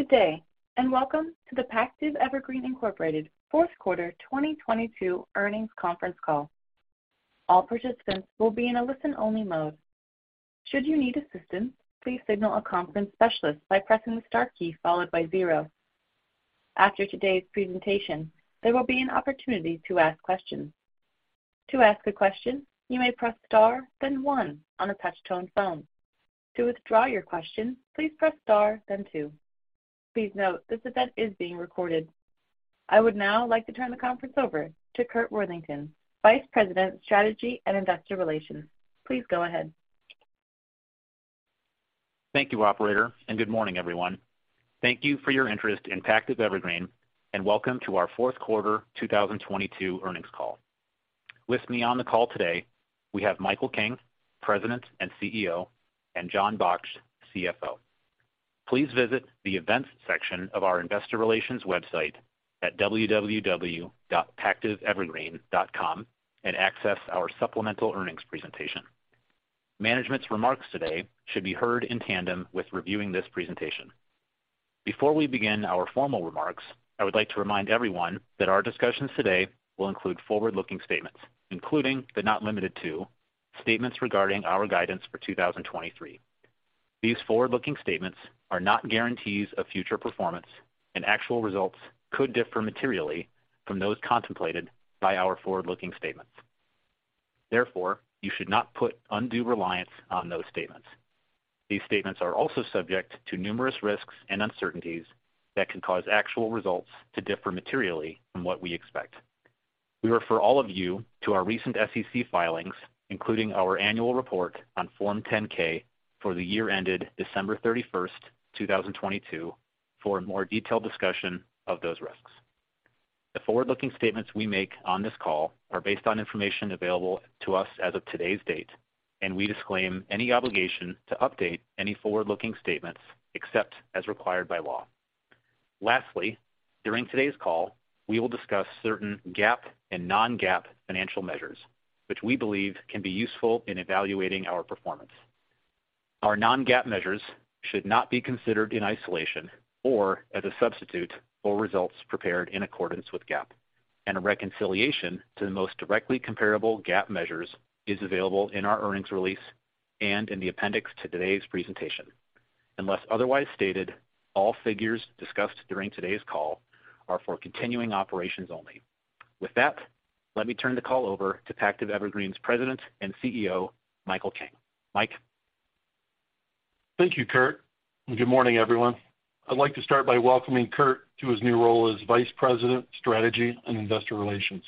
Good day, welcome to the Pactiv Evergreen Incorporated Fourth Quarter 2022 Earnings Conference Call. All participants will be in a listen-only mode. Should you need assistance, please signal a conference specialist by pressing the star key followed by zero. After today's presentation, there will be an opportunity to ask questions. To ask a question, you may press star, then one on a touch-tone phone. To withdraw your question, please press star then two. Please note this event is being recorded. I would now like to turn the conference over to Curt Worthington, Vice President, Strategy and Investor Relations. Please go ahead. Thank you, operator. Good morning, everyone. Thank you for your interest in Pactiv Evergreen and welcome to our fourth quarter 2022 earnings call. With me on the call today, we have Michael King, President and CEO, and Jon Baksht, CFO. Please visit the events section of our investor relations website at www.pactivevergreen.com and access our supplemental earnings presentation. Management's remarks today should be heard in tandem with reviewing this presentation. Before we begin our formal remarks, I would like to remind everyone that our discussions today will include forward-looking statements, including but not limited to statements regarding our guidance for 2023. These forward-looking statements are not guarantees of future performance, and actual results could differ materially from those contemplated by our forward-looking statements. You should not put undue reliance on those statements. These statements are also subject to numerous risks and uncertainties that can cause actual results to differ materially from what we expect. We refer all of you to our recent SEC filings, including our annual report on Form 10-K for the year ended December 31st, 2022, for a more detailed discussion of those risks. The forward-looking statements we make on this call are based on information available to us as of today's date, and we disclaim any obligation to update any forward-looking statements except as required by law. Lastly, during today's call, we will discuss certain GAAP and non-GAAP financial measures which we believe can be useful in evaluating our performance. Our non-GAAP measures should not be considered in isolation or as a substitute for results prepared in accordance with GAAP, and a reconciliation to the most directly comparable GAAP measures is available in our earnings release and in the appendix to today's presentation. Unless otherwise stated, all figures discussed during today's call are for continuing operations only. With that, let me turn the call over to Pactiv Evergreen's President and CEO, Michael King. Mike? Thank you, Curt. Good morning, everyone. I'd like to start by welcoming Curt to his new role as Vice President, Strategy and Investor Relations.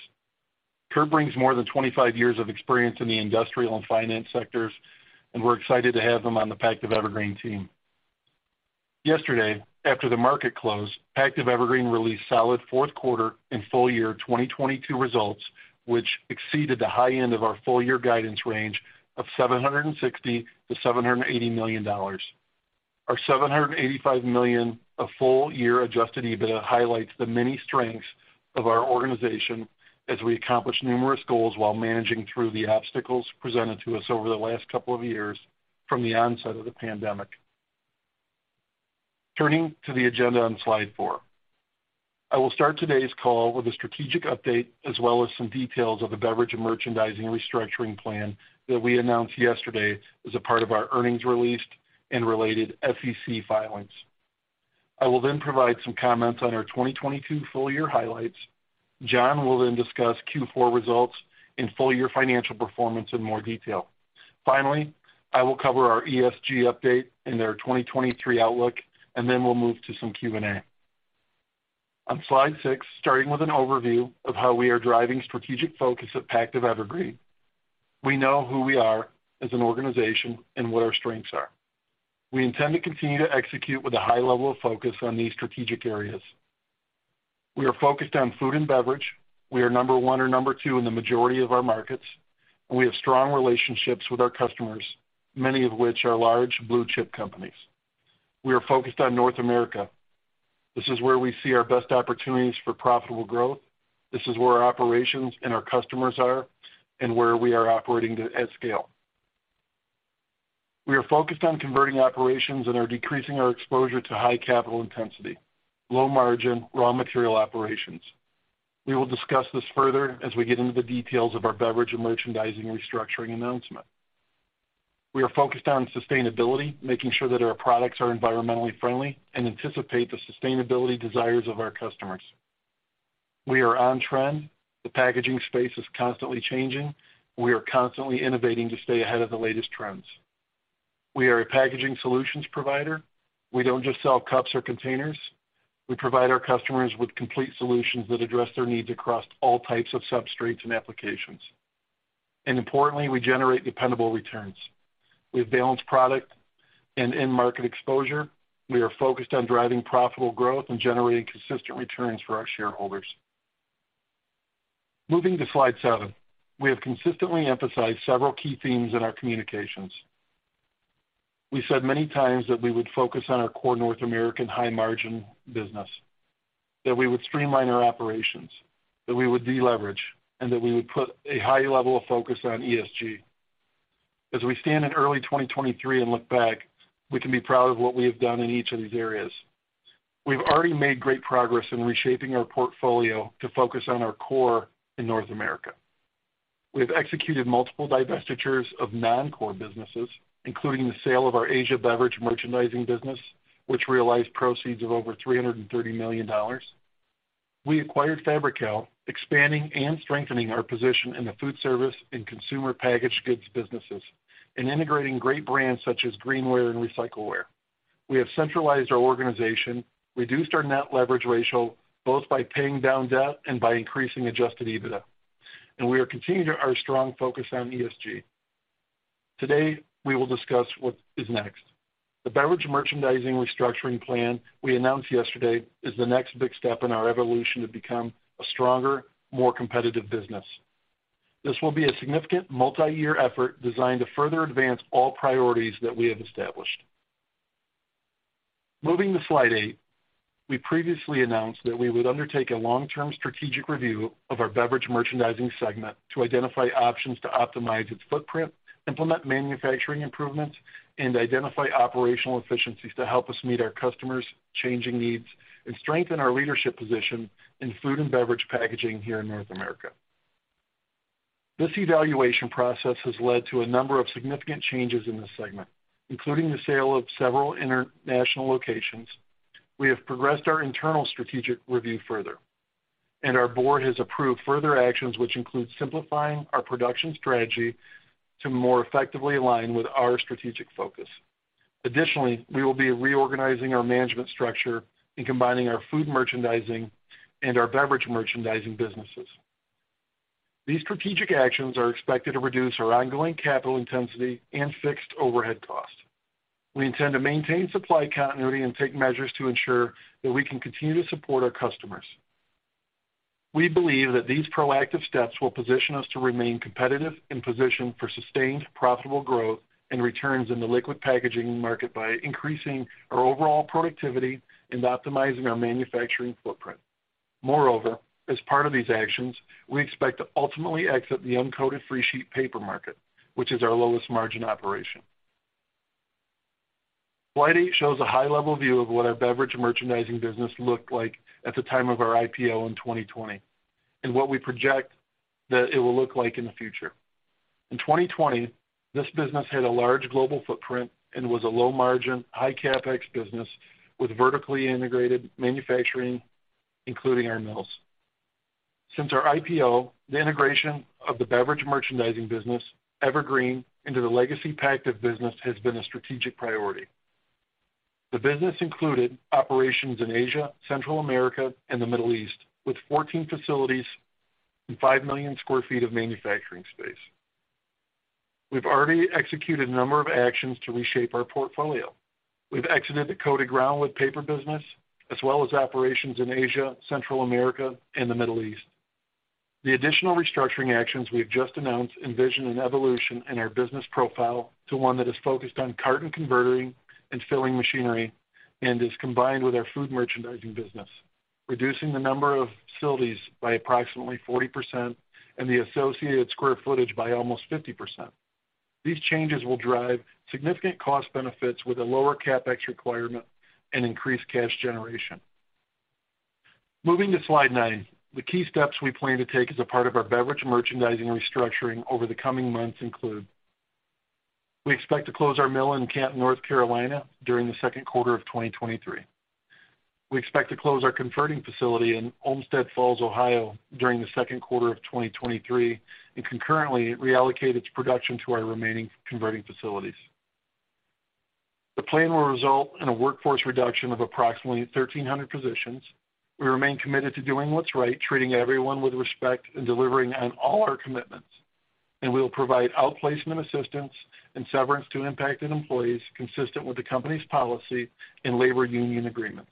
Curt brings more than 25 years of experience in the industrial and finance sectors, and we're excited to have him on the Pactiv Evergreen team. Yesterday, after the market closed, Pactiv Evergreen released solid fourth quarter and full year 2022 results, which exceeded the high end of our full-year guidance range of $760 million-$780 million. Our $785 million of full year Adjusted EBITDA highlights the many strengths of our organization as we accomplish numerous goals while managing through the obstacles presented to us over the last couple of years from the onset of the pandemic. Turning to the agenda on slide 4. I will start today's call with a strategic update as well as some details of the beverage and merchandising restructuring plan that we announced yesterday as a part of our earnings released and related SEC filings. I will provide some comments on our 2022 full year highlights. Jon will discuss Q4 results and full year financial performance in more detail. Finally, I will cover our ESG update and their 2023 outlook, we'll move to some Q&A. On slide 6, starting with an overview of how we are driving strategic focus at Pactiv Evergreen. We know who we are as an organization and what our strengths are. We intend to continue to execute with a high level of focus on these strategic areas. We are focused on food and beverage. We are number one or number two in the majority of our markets, and we have strong relationships with our customers, many of which are large blue-chip companies. We are focused on North America. This is where we see our best opportunities for profitable growth. This is where our operations and our customers are and where we are operating at scale. We are focused on converting operations and are decreasing our exposure to high capital intensity, low margin, raw material operations. We will discuss this further as we get into the details of our beverage and merchandising restructuring announcement. We are focused on sustainability, making sure that our products are environmentally friendly, and anticipate the sustainability desires of our customers. We are on trend. The packaging space is constantly changing. We are constantly innovating to stay ahead of the latest trends. We are a packaging solutions provider. We don't just sell cups or containers. We provide our customers with complete solutions that address their needs across all types of substrates and applications. Importantly, we generate dependable returns. We have balanced product and end market exposure. We are focused on driving profitable growth and generating consistent returns for our shareholders. Moving to slide seven. We have consistently emphasized several key themes in our communications. We said many times that we would focus on our core North American high-margin business, that we would streamline our operations, that we would de-leverage, and that we would put a high level of focus on ESG. As we stand in early 2023 and look back, we can be proud of what we have done in each of these areas. We've already made great progress in reshaping our portfolio to focus on our core in North America. We have executed multiple divestitures of non-core businesses, including the sale of our Asia beverage merchandising business, which realized proceeds of over $330 million. We acquired Fabri-Kal, expanding and strengthening our position in the foodservice and consumer packaged goods businesses and integrating great brands such as Greenware and Recycleware. We have centralized our organization, reduced our net leverage ratio, both by paying down debt and by increasing Adjusted EBITDA. We are continuing our strong focus on ESG. Today, we will discuss what is next. The beverage merchandising restructuring plan we announced yesterday is the next big step in our evolution to become a stronger, more competitive business. This will be a significant multi-year effort designed to further advance all priorities that we have established. Moving to slide eight. We previously announced that we would undertake a long-term strategic review of our beverage merchandising segment to identify options to optimize its footprint, implement manufacturing improvements, and identify operational efficiencies to help us meet our customers' changing needs and strengthen our leadership position in food and beverage packaging here in North America. This evaluation process has led to a number of significant changes in this segment, including the sale of several international locations. We have progressed our internal strategic review further, and our board has approved further actions, which include simplifying our production strategy to more effectively align with our strategic focus. Additionally, we will be reorganizing our management structure and combining our food merchandising and our beverage merchandising businesses. These strategic actions are expected to reduce our ongoing capital intensity and fixed overhead costs. We intend to maintain supply continuity and take measures to ensure that we can continue to support our customers. We believe that these proactive steps will position us to remain competitive and positioned for sustained, profitable growth and returns in the liquid packaging market by increasing our overall productivity and optimizing our manufacturing footprint. As part of these actions, we expect to ultimately exit the uncoated freesheet paper market, which is our lowest margin operation. Slide 8 shows a high-level view of what our beverage merchandising business looked like at the time of our IPO in 2020, and what we project that it will look like in the future. In 2020, this business had a large global footprint and was a low margin, high CapEx business with vertically integrated manufacturing, including our mills. Since our IPO, the integration of the beverage merchandising business, Evergreen, into the legacy Pactiv business has been a strategic priority. The business included operations in Asia, Central America, and the Middle East, with 14 facilities and 5 million sq ft of manufacturing space. We've already executed a number of actions to reshape our portfolio. We've exited the coated groundwood paper business, as well as operations in Asia, Central America, and the Middle East. The additional restructuring actions we have just announced envision an evolution in our business profile to one that is focused on carton converting and filling machinery and is combined with our food merchandising business, reducing the number of facilities by approximately 40% and the associated square footage by almost 50%. These changes will drive significant cost benefits with a lower CapEx requirement and increased cash generation. Moving to slide 9. The key steps we plan to take as a part of our beverage merchandising restructuring over the coming months include: We expect to close our mill in Canton, North Carolina, during the second quarter of 2023. We expect to close our converting facility in Olmsted Falls, Ohio, during the second quarter of 2023 and concurrently reallocate its production to our remaining converting facilities. The plan will result in a workforce reduction of approximately 1,300 positions. We remain committed to doing what's right, treating everyone with respect and delivering on all our commitments. We will provide outplacement assistance and severance to impacted employees consistent with the company's policy and labor union agreements.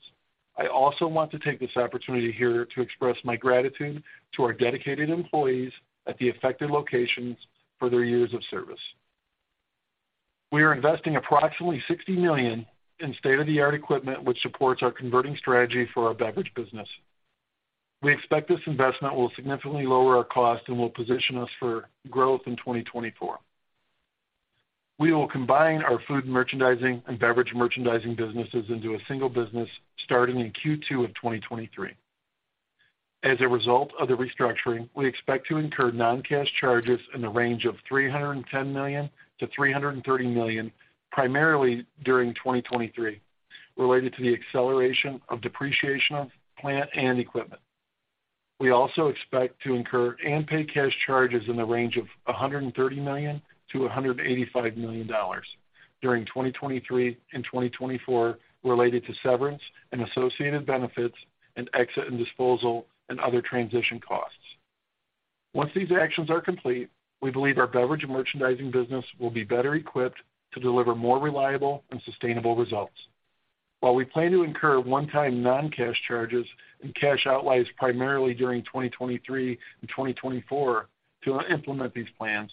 I also want to take this opportunity here to express my gratitude to our dedicated employees at the affected locations for their years of service. We are investing approximately $60 million in state-of-the-art equipment which supports our converting strategy for our beverage business. We expect this investment will significantly lower our cost and will position us for growth in 2024. We will combine our food merchandising and beverage merchandising businesses into a single business starting in Q2 of 2023. As a result of the restructuring, we expect to incur non-cash charges in the range of $310 million-$330 million, primarily during 2023, related to the acceleration of depreciation of plant and equipment. We also expect to incur and pay cash charges in the range of $130 million-$185 million during 2023 and 2024 related to severance and associated benefits and exit and disposal and other transition costs. Once these actions are complete, we believe our beverage merchandising business will be better equipped to deliver more reliable and sustainable results. While we plan to incur one-time non-cash charges and cash outlays primarily during 2023 and 2024 to implement these plans,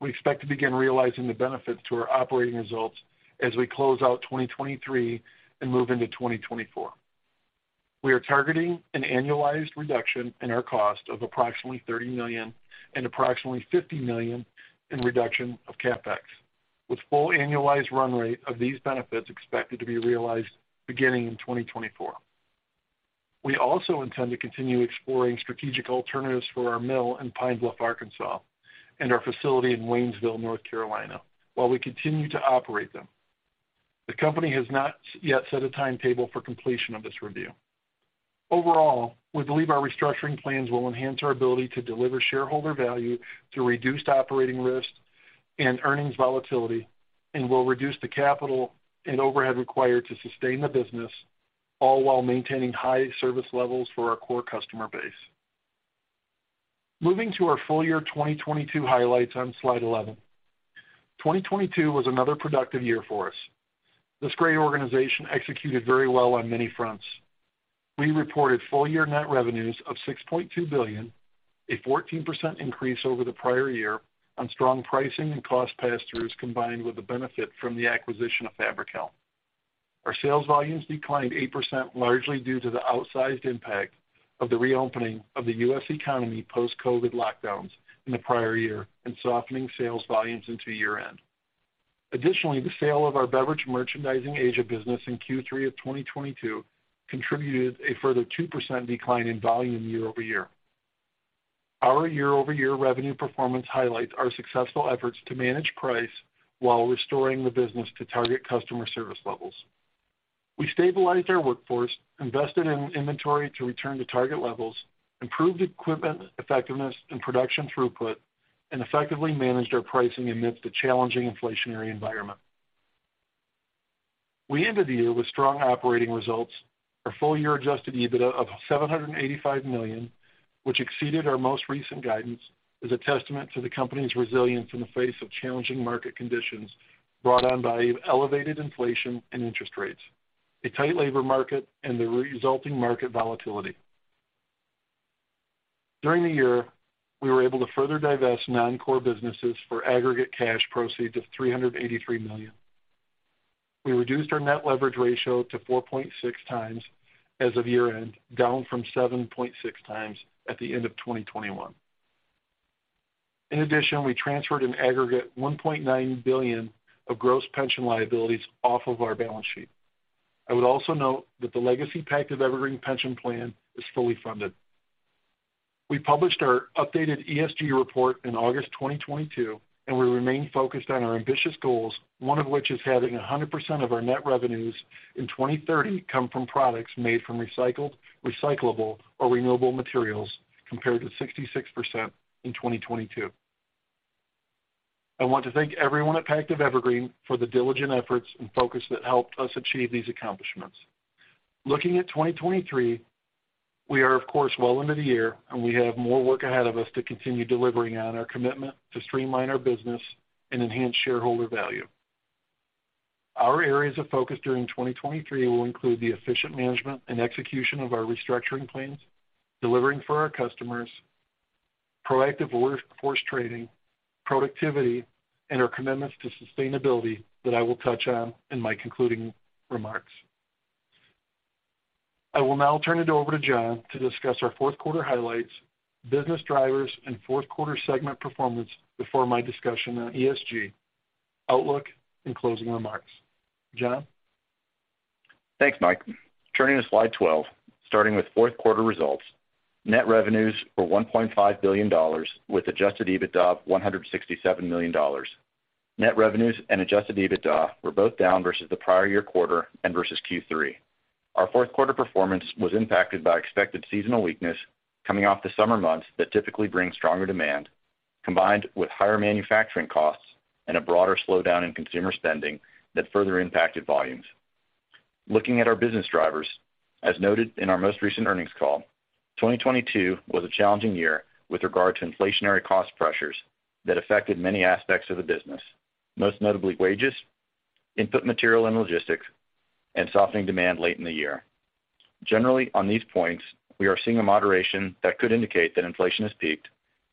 we expect to begin realizing the benefits to our operating results as we close out 2023 and move into 2024. We are targeting an annualized reduction in our cost of approximately $30 million and approximately $50 million in reduction of CapEx, with full annualized run rate of these benefits expected to be realized beginning in 2024. We also intend to continue exploring strategic alternatives for our mill in Pine Bluff, Arkansas, and our facility in Waynesville, North Carolina, while we continue to operate them. The company has not yet set a timetable for completion of this review. Overall, we believe our restructuring plans will enhance our ability to deliver shareholder value through reduced operating risk and earnings volatility, will reduce the capital and overhead required to sustain the business, all while maintaining high service levels for our core customer base. Moving to our full year 2022 highlights on slide 11. 2022 was another productive year for us. This great organization executed very well on many fronts. We reported full year net revenues of $6.2 billion, a 14% increase over the prior year on strong pricing and cost pass-throughs combined with the benefit from the acquisition of Fabri-Kal. Our sales volumes declined 8% largely due to the outsized impact of the reopening of the U.S. economy post-COVID lockdowns in the prior year and softening sales volumes into year-end. Additionally, the sale of our Beverage Merchandising Asia business in Q3 of 2022 contributed a further 2% decline in volume year-over-year. Our year-over-year revenue performance highlights our successful efforts to manage price while restoring the business to target customer service levels. We stabilized our workforce, invested in inventory to return to target levels, improved equipment effectiveness and production throughput, and effectively managed our pricing amidst a challenging inflationary environment. We ended the year with strong operating results. Our full year Adjusted EBITDA of $785 million, which exceeded our most recent guidance, is a testament to the company's resilience in the face of challenging market conditions brought on by elevated inflation and interest rates, a tight labor market, and the resulting market volatility. During the year, we were able to further divest non-core businesses for aggregate cash proceeds of $383 million. We reduced our net leverage ratio to 4.6x as of year-end, down from 7.6x at the end of 2021. We transferred an aggregate $1.9 billion of gross pension liabilities off of our balance sheet. I would also note that the legacy Pactiv Evergreen pension plan is fully funded. We published our updated ESG report in August 2022. We remain focused on our ambitious goals, one of which is having 100% of our net revenues in 2030 come from products made from recycled, recyclable, or renewable materials, compared to 66% in 2022. I want to thank everyone at Pactiv Evergreen for the diligent efforts and focus that helped us achieve these accomplishments. Looking at 2023, we are of course well into the year. We have more work ahead of us to continue delivering on our commitment to streamline our business and enhance shareholder value. Our areas of focus during 2023 will include the efficient management and execution of our restructuring plans, delivering for our customers, proactive workforce training, productivity, and our commitments to sustainability that I will touch on in my concluding remarks. I will now turn it over to John to discuss our fourth quarter highlights, business drivers, and fourth quarter segment performance before my discussion on ESG, outlook, and closing remarks. Jon? Thanks, Mike. Turning to slide 12, starting with fourth quarter results, net revenues were $1.5 billion, with Adjusted EBITDA of $167 million. Net revenues and Adjusted EBITDA were both down versus the prior year quarter and versus Q3. Our fourth quarter performance was impacted by expected seasonal weakness coming off the summer months that typically bring stronger demand, combined with higher manufacturing costs and a broader slowdown in consumer spending that further impacted volumes. Looking at our business drivers, as noted in our most recent earnings call, 2022 was a challenging year with regard to inflationary cost pressures that affected many aspects of the business, most notably wages, input material and logistics, and softening demand late in the year. On these points, we are seeing a moderation that could indicate that inflation has peaked,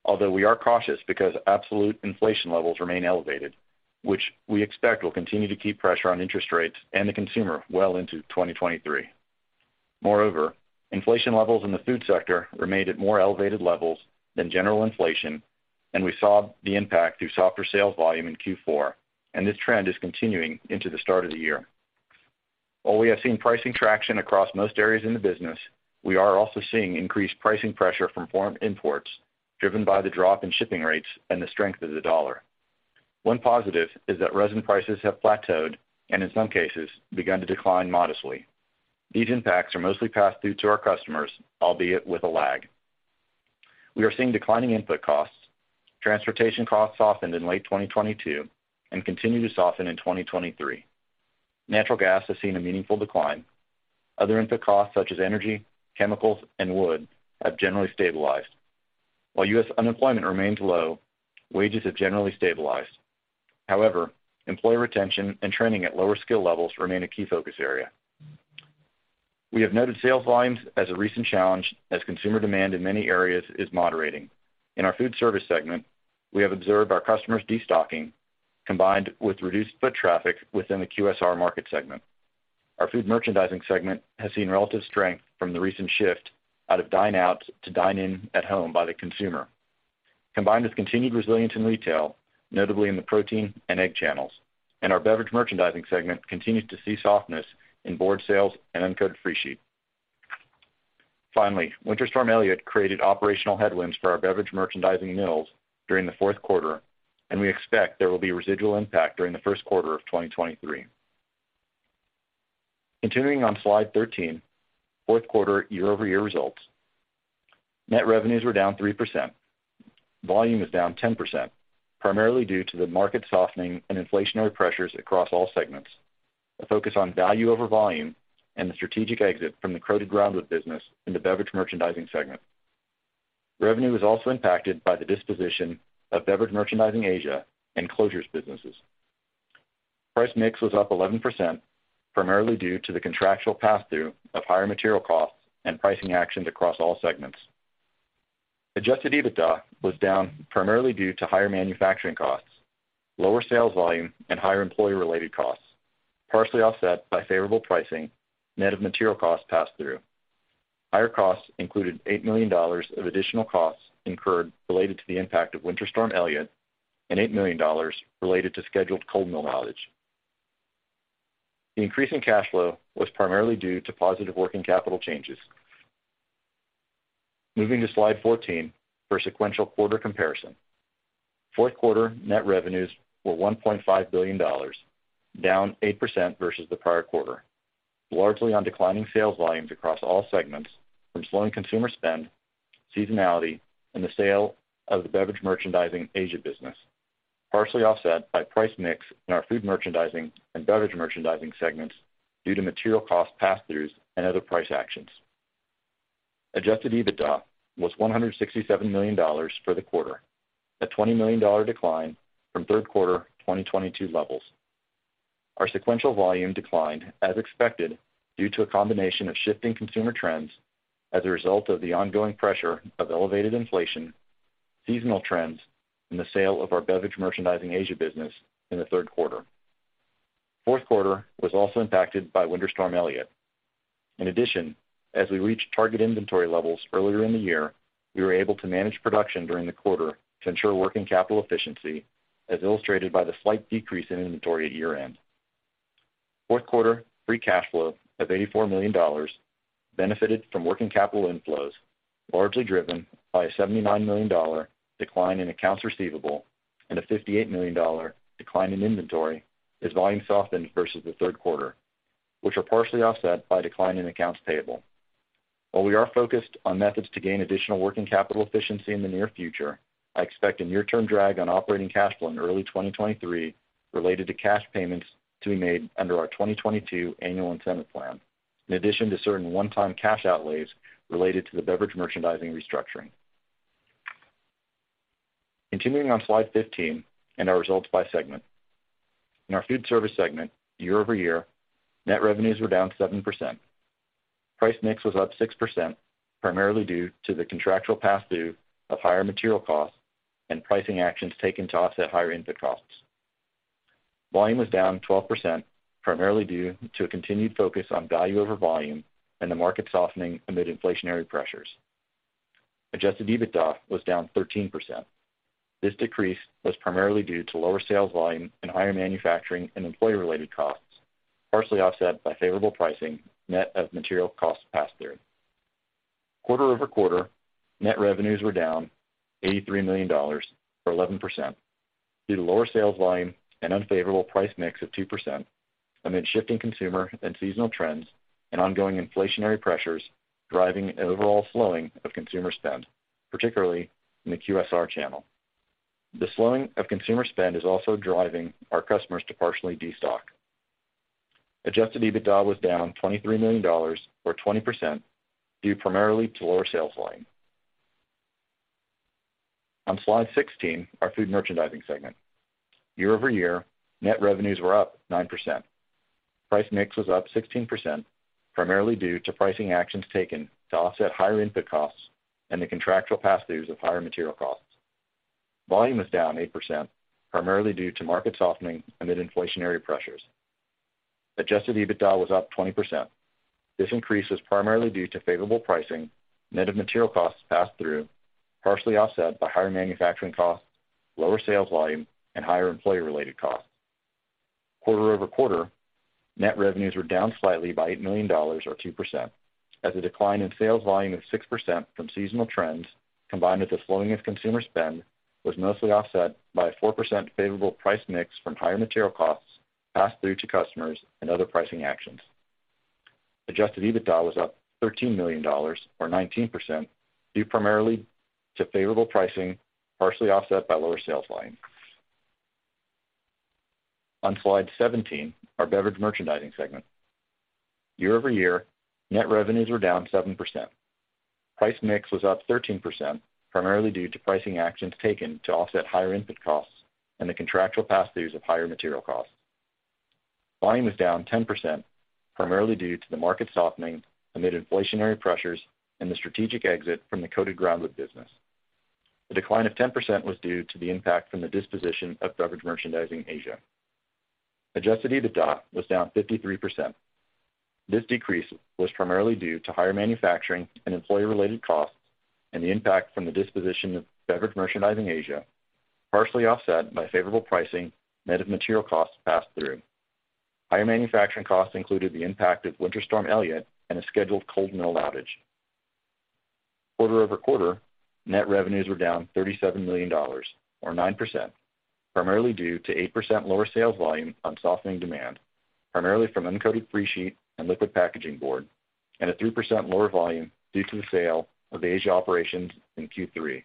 although we are cautious because absolute inflation levels remain elevated, which we expect will continue to keep pressure on interest rates and the consumer well into 2023. Inflation levels in the food sector remained at more elevated levels than general inflation, and we saw the impact through softer sales volume in Q4, and this trend is continuing into the start of the year. We have seen pricing traction across most areas in the business, we are also seeing increased pricing pressure from foreign imports driven by the drop in shipping rates and the strength of the dollar. One positive is that resin prices have plateaued and in some cases begun to decline modestly. These impacts are mostly passed through to our customers, albeit with a lag. We are seeing declining input costs. Transportation costs softened in late 2022 and continue to soften in 2023. Natural gas has seen a meaningful decline. Other input costs such as energy, chemicals, and wood have generally stabilized. While U.S. Unemployment remains low, wages have generally stabilized. However, employee retention and training at lower skill levels remain a key focus area. We have noted sales volumes as a recent challenge as consumer demand in many areas is moderating. In our food service segment, we have observed our customers destocking, combined with reduced foot traffic within the QSR market segment. Our food merchandising segment has seen relative strength from the recent shift out of dine out to dine in at home by the consumer, combined with continued resilience in retail, notably in the protein and egg channels. Our beverage merchandising segment continues to see softness in board sales and uncoated freesheet. Finally, Winter Storm Elliott created operational headwinds for our beverage merchandising mills during the fourth quarter, and we expect there will be residual impact during the first quarter of 2023. Continuing on slide 13, fourth quarter year-over-year results. Net revenues were down 3%. Volume is down 10%, primarily due to the market softening and inflationary pressures across all segments, a focus on value over volume, and the strategic exit from the coated groundwood business in the beverage merchandising segment. Revenue was also impacted by the disposition of Evergreen Asia and closures businesses. Price mix was up 11%, primarily due to the contractual passthrough of higher material costs and pricing actions across all segments. Adjusted EBITDA was down primarily due to higher manufacturing costs, lower sales volume and higher employee-related costs, partially offset by favorable pricing, net of material costs passed through. Higher costs included $80 million of additional costs incurred related to the impact of Winter Storm Elliott and $80 million related to scheduled coal mill outage. The increase in cash flow was primarily due to positive working capital changes. Moving to slide 14 for a sequential quarter comparison. Fourth quarter net revenues were $1.5 billion, down 8% versus the prior quarter, largely on declining sales volumes across all segments from slowing consumer spend, seasonality and the sale of the Beverage Merchandising Asia business, partially offset by price mix in our food merchandising and beverage merchandising segments due to material cost pass-throughs and other price actions. Adjusted EBITDA was $167 million for the quarter, a $20 million decline from third quarter 2022 levels. Our sequential volume declined as expected due to a combination of shifting consumer trends as a result of the ongoing pressure of elevated inflation, seasonal trends and the sale of our Beverage Merchandising Asia business in the third quarter. Fourth quarter was also impacted by Winter Storm Elliott. As we reached target inventory levels earlier in the year, we were able to manage production during the quarter to ensure working capital efficiency, as illustrated by the slight decrease in inventory at year-end. Fourth quarter Free Cash Flow of $84 million benefited from working capital inflows, largely driven by a $79 million decline in accounts receivable and a $58 million decline in inventory as volume softened versus the third quarter, which are partially offset by decline in accounts payable. While we are focused on methods to gain additional working capital efficiency in the near future, I expect a near-term drag on operating cash flow in early 2023 related to cash payments to be made under our 2022 annual incentive plan, in addition to certain one-time cash outlays related to the beverage merchandising restructuring. Continuing on slide 15 and our results by segment. In our foodservice segment year-over-year, net revenues were down 7%. Price mix was up 6%, primarily due to the contractual passthrough of higher material costs and pricing actions taken to offset higher input costs. Volume was down 12%, primarily due to a continued focus on value over volume and the market softening amid inflationary pressures. Adjusted EBITDA was down 13%. This decrease was primarily due to lower sales volume and higher manufacturing and employee-related costs, partially offset by favorable pricing, net of material costs passed through. Quarter-over-quarter, net revenues were down $83 million or 11% due to lower sales volume and unfavorable price mix of 2% amid shifting consumer and seasonal trends and ongoing inflationary pressures driving an overall slowing of consumer spend, particularly in the QSR channel. The slowing of consumer spend is also driving our customers to partially destock. Adjusted EBITDA was down $23 million or 20% due primarily to lower sales volume. On slide 16, our food merchandising segment. Year-over-year, net revenues were up 9%. Price mix was up 16%, primarily due to pricing actions taken to offset higher input costs and the contractual pass-throughs of higher material costs. Volume was down 8%, primarily due to market softening amid inflationary pressures. Adjusted EBITDA was up 20%. This increase was primarily due to favorable pricing, net of material costs passed through, partially offset by higher manufacturing costs, lower sales volume and higher employee-related costs. Quarter-over-quarter, net revenues were down slightly by $8 million or 2% as a decline in sales volume of 6% from seasonal trends, combined with the slowing of consumer spend was mostly offset by a 4% favorable price mix from higher material costs passed through to customers and other pricing actions. Adjusted EBITDA was up $13 million or 19% due primarily to favorable pricing, partially offset by lower sales volume. On slide 17, our beverage merchandising segment. Year-over-year, net revenues were down 7%. Price mix was up 13%, primarily due to pricing actions taken to offset higher input costs and the contractual pass-throughs of higher material costs. Volume was down 10%, primarily due to the market softening amid inflationary pressures and the strategic exit from the coated groundwood business. The decline of 10% was due to the impact from the disposition of Beverage Merchandising Asia. Adjusted EBITDA was down 53%. This decrease was primarily due to higher manufacturing and employee-related costs and the impact from the disposition of Beverage Merchandising Asia, partially offset by favorable pricing net of material costs passed through. Higher manufacturing costs included the impact of Winter Storm Elliott and a scheduled coal mill outage. Quarter-over-quarter, net revenues were down $37 million or 9%, primarily due to 8% lower sales volume on softening demand, primarily from uncoated freesheet and liquid packaging board, and a 3% lower volume due to the sale of Asia operations in Q3,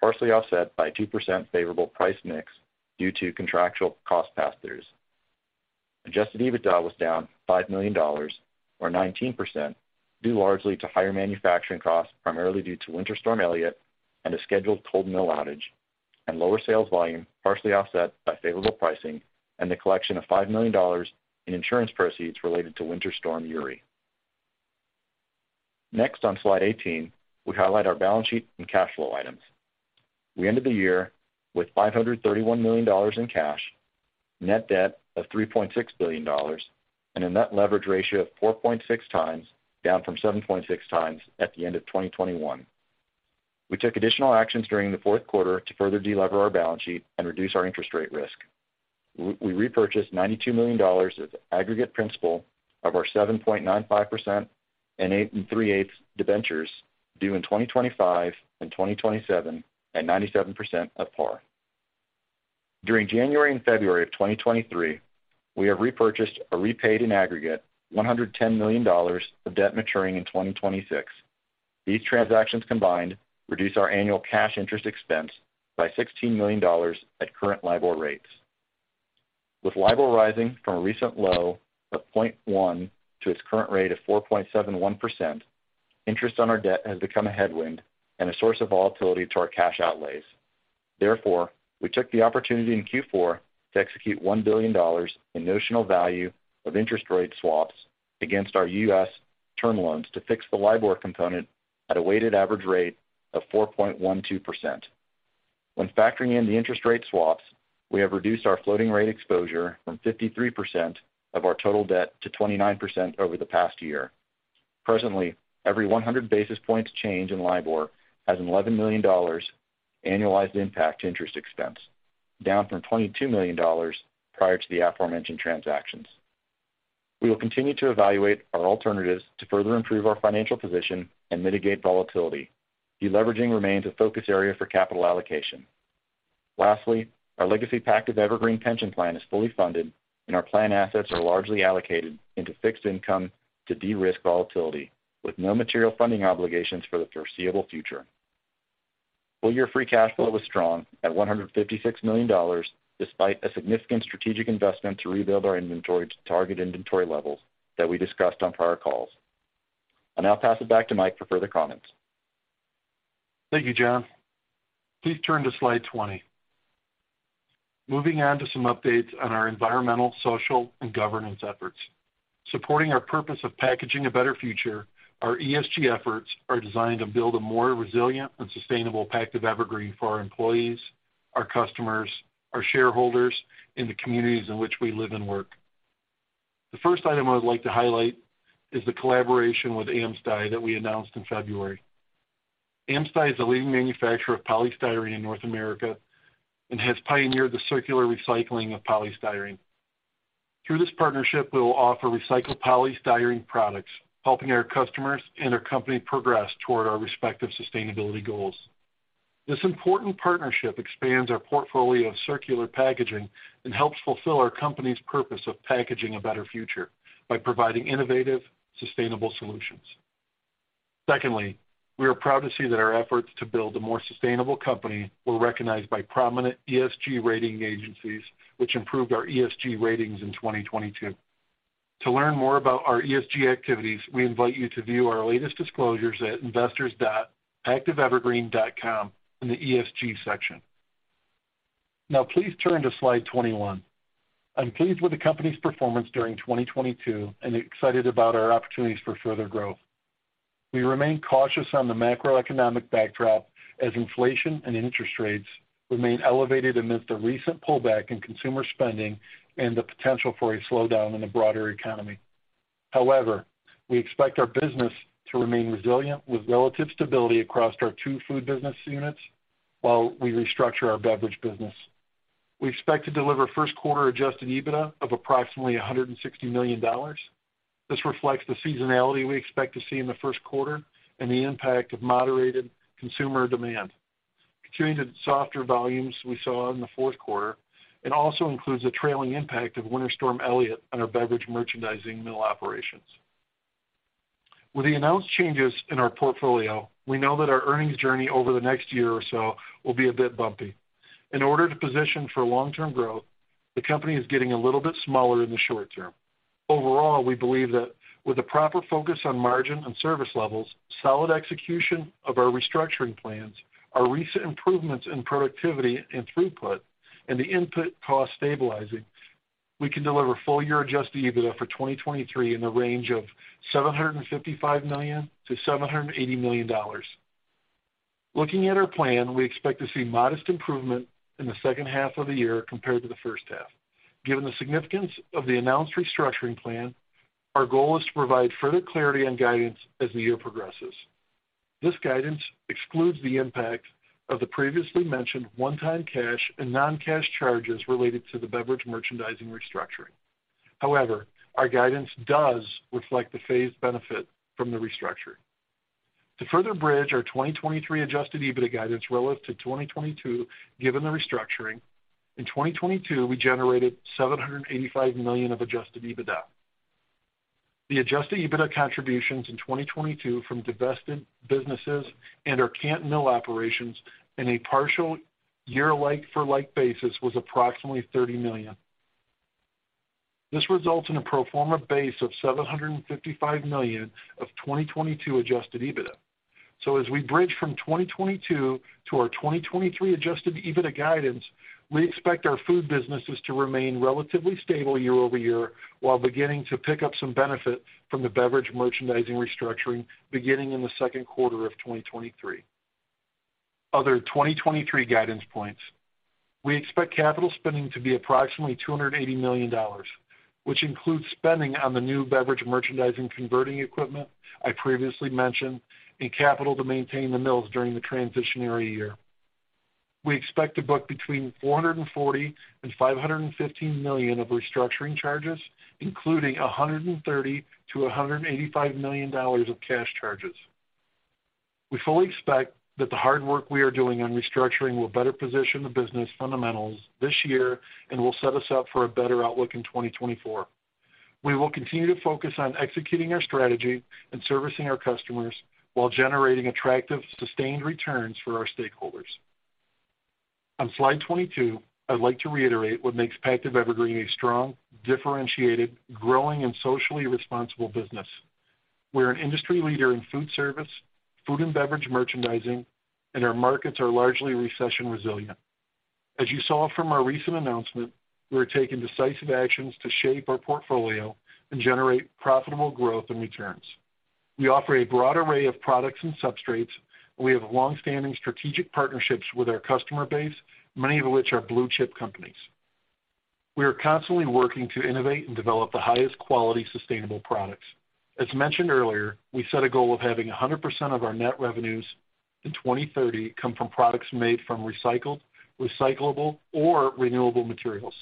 partially offset by 2% favorable price mix due to contractual cost pass-throughs. Adjusted EBITDA was down $5 million or 19%, due largely to higher manufacturing costs, primarily due to Winter Storm Elliott and a scheduled coal mill outage and lower sales volume, partially offset by favorable pricing and the collection of $5 million in insurance proceeds related to Winter Storm Uri. Next on slide 18, we highlight our balance sheet and cash flow items. We ended the year with $531 million in cash, net debt of $3.6 billion, and a net leverage ratio of 4.6 times, down from 7.6 times at the end of 2021. We took additional actions during the fourth quarter to further de-lever our balance sheet and reduce our interest rate risk. We repurchased $92 million of aggregate principal of our 7.95% and eight and three-eighths debentures due in 2025 and 2027 at 97% of par. During January and February of 2023, we have repurchased or repaid in aggregate $110 million of debt maturing in 2026. These transactions combined reduce our annual cash interest expense by $16 million at current LIBOR rates. With LIBOR rising from a recent low of 0.1 to its current rate of 4.71%, interest on our debt has become a headwind and a source of volatility to our cash outlays. Therefore, we took the opportunity in Q4 to execute $1 billion in notional value of interest rate swaps against our U.S. term loans to fix the LIBOR component at a weighted average rate of 4.12%. When factoring in the interest rate swaps, we have reduced our floating rate exposure from 53% of our total debt to 29% over the past year. Presently, every 100 basis points change in LIBOR has an $11 million annualized impact to interest expense, down from $22 million prior to the aforementioned transactions. We will continue to evaluate our alternatives to further improve our financial position and mitigate volatility. De-leveraging remains a focus area for capital allocation. Lastly, our legacy Pactiv Evergreen pension plan is fully funded, and our plan assets are largely allocated into fixed income to de-risk volatility, with no material funding obligations for the foreseeable future. Full year Free Cash Flow was strong at $156 million, despite a significant strategic investment to rebuild our inventory to target inventory levels that we discussed on prior calls. I'll now pass it back to Mike for further comments. Thank you, John. Please turn to slide 20. Moving on to some updates on our environmental, social, and governance efforts. Supporting our purpose of packaging a better future, our ESG efforts are designed to build a more resilient and sustainable Pactiv Evergreen for our employees, our customers, our shareholders, and the communities in which we live and work. The first item I would like to highlight is the collaboration with AmSty that we announced in February. AmSty is a leading manufacturer of polystyrene in North America and has pioneered the circular recycling of polystyrene. Through this partnership, we will offer recycled polystyrene products, helping our customers and our company progress toward our respective sustainability goals. This important partnership expands our portfolio of circular packaging and helps fulfill our company's purpose of packaging a better future by providing innovative, sustainable solutions. We are proud to see that our efforts to build a more sustainable company were recognized by prominent ESG rating agencies, which improved our ESG ratings in 2022. To learn more about our ESG activities, we invite you to view our latest disclosures at investors.pactivevergreen.com in the ESG section. Please turn to slide 21. I'm pleased with the company's performance during 2022 and excited about our opportunities for further growth. We remain cautious on the macroeconomic backdrop as inflation and interest rates remain elevated amidst a recent pullback in consumer spending and the potential for a slowdown in the broader economy. However, we expect our business to remain resilient with relative stability across our two food business units while we restructure our beverage business. We expect to deliver first quarter Adjusted EBITDA of approximately $160 million. This reflects the seasonality we expect to see in the first quarter and the impact of moderated consumer demand, continuing the softer volumes we saw in the fourth quarter, and also includes a trailing impact of Winter Storm Elliott on our beverage merchandising mill operations. With the announced changes in our portfolio, we know that our earnings journey over the next year or so will be a bit bumpy. In order to position for long-term growth, the company is getting a little bit smaller in the short term. Overall, we believe that with the proper focus on margin and service levels, solid execution of our restructuring plans, our recent improvements in productivity and throughput, and the input cost stabilizing, we can deliver full year Adjusted EBITDA for 2023 in the range of $755 million-$780 million. Looking at our plan, we expect to see modest improvement in the second half of the year compared to the first half. Given the significance of the announced restructuring plan, our goal is to provide further clarity and guidance as the year progresses. This guidance excludes the impact of the previously mentioned one-time cash and non-cash charges related to the beverage merchandising restructuring. However, our guidance does reflect the phased benefit from the restructuring. To further bridge our 2023 Adjusted EBITDA guidance relative to 2022, given the restructuring, in 2022, we generated $785 million of Adjusted EBITDA. The Adjusted EBITDA contributions in 2022 from divested businesses and our Canton mill operations in a partial year like-for-like basis was approximately $30 million. This results in a pro forma base of $755 million of 2022 Adjusted EBITDA. As we bridge from 2022 to our 2023 Adjusted EBITDA guidance, we expect our food businesses to remain relatively stable year-over-year while beginning to pick up some benefit from the beverage merchandising restructuring beginning in the second quarter of 2023. Other 2023 guidance points. We expect capital spending to be approximately $280 million, which includes spending on the new beverage merchandising converting equipment I previously mentioned and capital to maintain the mills during the transitionary year. We expect to book between $440 million and $515 million of restructuring charges, including $130 million to $185 million of cash charges. We fully expect that the hard work we are doing on restructuring will better position the business fundamentals this year and will set us up for a better outlook in 2024. We will continue to focus on executing our strategy and servicing our customers while generating attractive, sustained returns for our stakeholders. On slide 22, I'd like to reiterate what makes Pactiv Evergreen a strong, differentiated, growing, and socially responsible business. We're an industry leader in food service, food and beverage merchandising, and our markets are largely recession resilient. As you saw from our recent announcement, we are taking decisive actions to shape our portfolio and generate profitable growth and returns. We offer a broad array of products and substrates, and we have long-standing strategic partnerships with our customer base, many of which are blue-chip companies. We are constantly working to innovate and develop the highest quality, sustainable products. As mentioned earlier, we set a goal of having 100% of our net revenues in 2030 come from products made from recycled, recyclable, or renewable materials.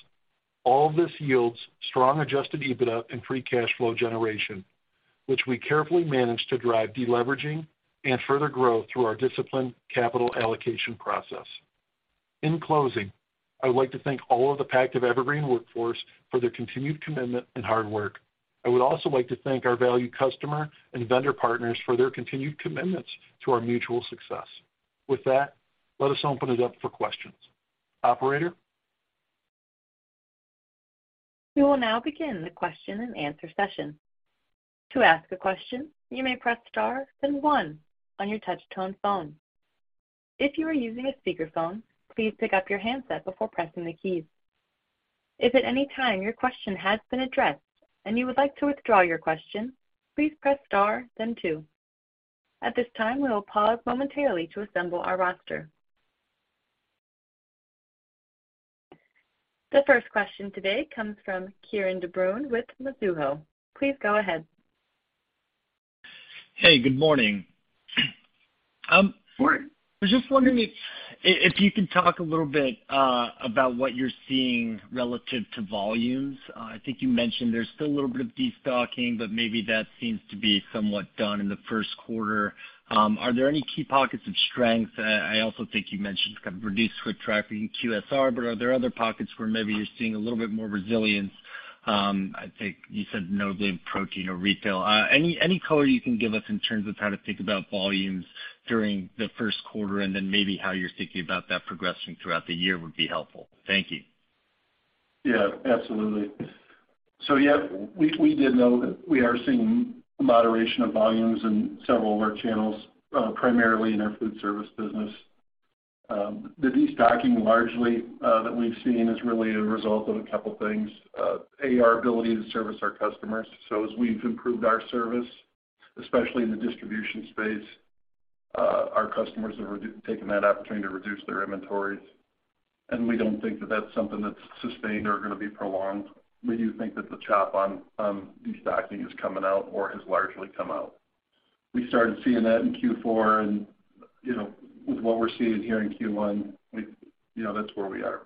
All of this yields strong Adjusted EBITDA and Free Cash Flow generation, which we carefully manage to drive deleveraging and further growth through our disciplined capital allocation process. In closing, I would like to thank all of the Pactiv Evergreen workforce for their continued commitment and hard work. I would also like to thank our valued customer and vendor partners for their continued commitments to our mutual success. With that, let us open it up for questions. Operator? We will now begin the question and answer session. To ask a question, you may press star then one on your touch tone phone. If you are using a speakerphone, please pick up your handset before pressing the keys. If at any time your question has been addressed and you would like to withdraw your question, please press star then two. At this time, we will pause momentarily to assemble our roster. The first question today comes from Kieran De Brun with Mizuho. Please go ahead. Hey, good morning. We're just wondering if you can talk a little bit about what you're seeing relative to volumes. I think you mentioned there's still a little bit of destocking, but maybe that seems to be somewhat done in the first quarter. Are there any key pockets of strength? I also think you mentioned kind of reduced foot traffic in QSR, but are there other pockets where maybe you're seeing a little bit more resilience? I think you said no big protein or retail. Any color you can give us in terms of how to think about volumes during the first quarter and then maybe how you're thinking about that progressing throughout the year would be helpful. Thank you. Absolutely. We did note that we are seeing a moderation of volumes in several of our channels, primarily in our foodservice business. The destocking largely that we've seen is really a result of a couple things. A, our ability to service our customers. As we've improved our service, especially in the distribution space, our customers are taking that opportunity to reduce their inventories. We don't think that that's something that's sustained or gonna be prolonged. We do think that the chop on destocking is coming out or has largely come out. We started seeing that in Q4, you know, with what we're seeing here in Q1, we, you know, that's where we are.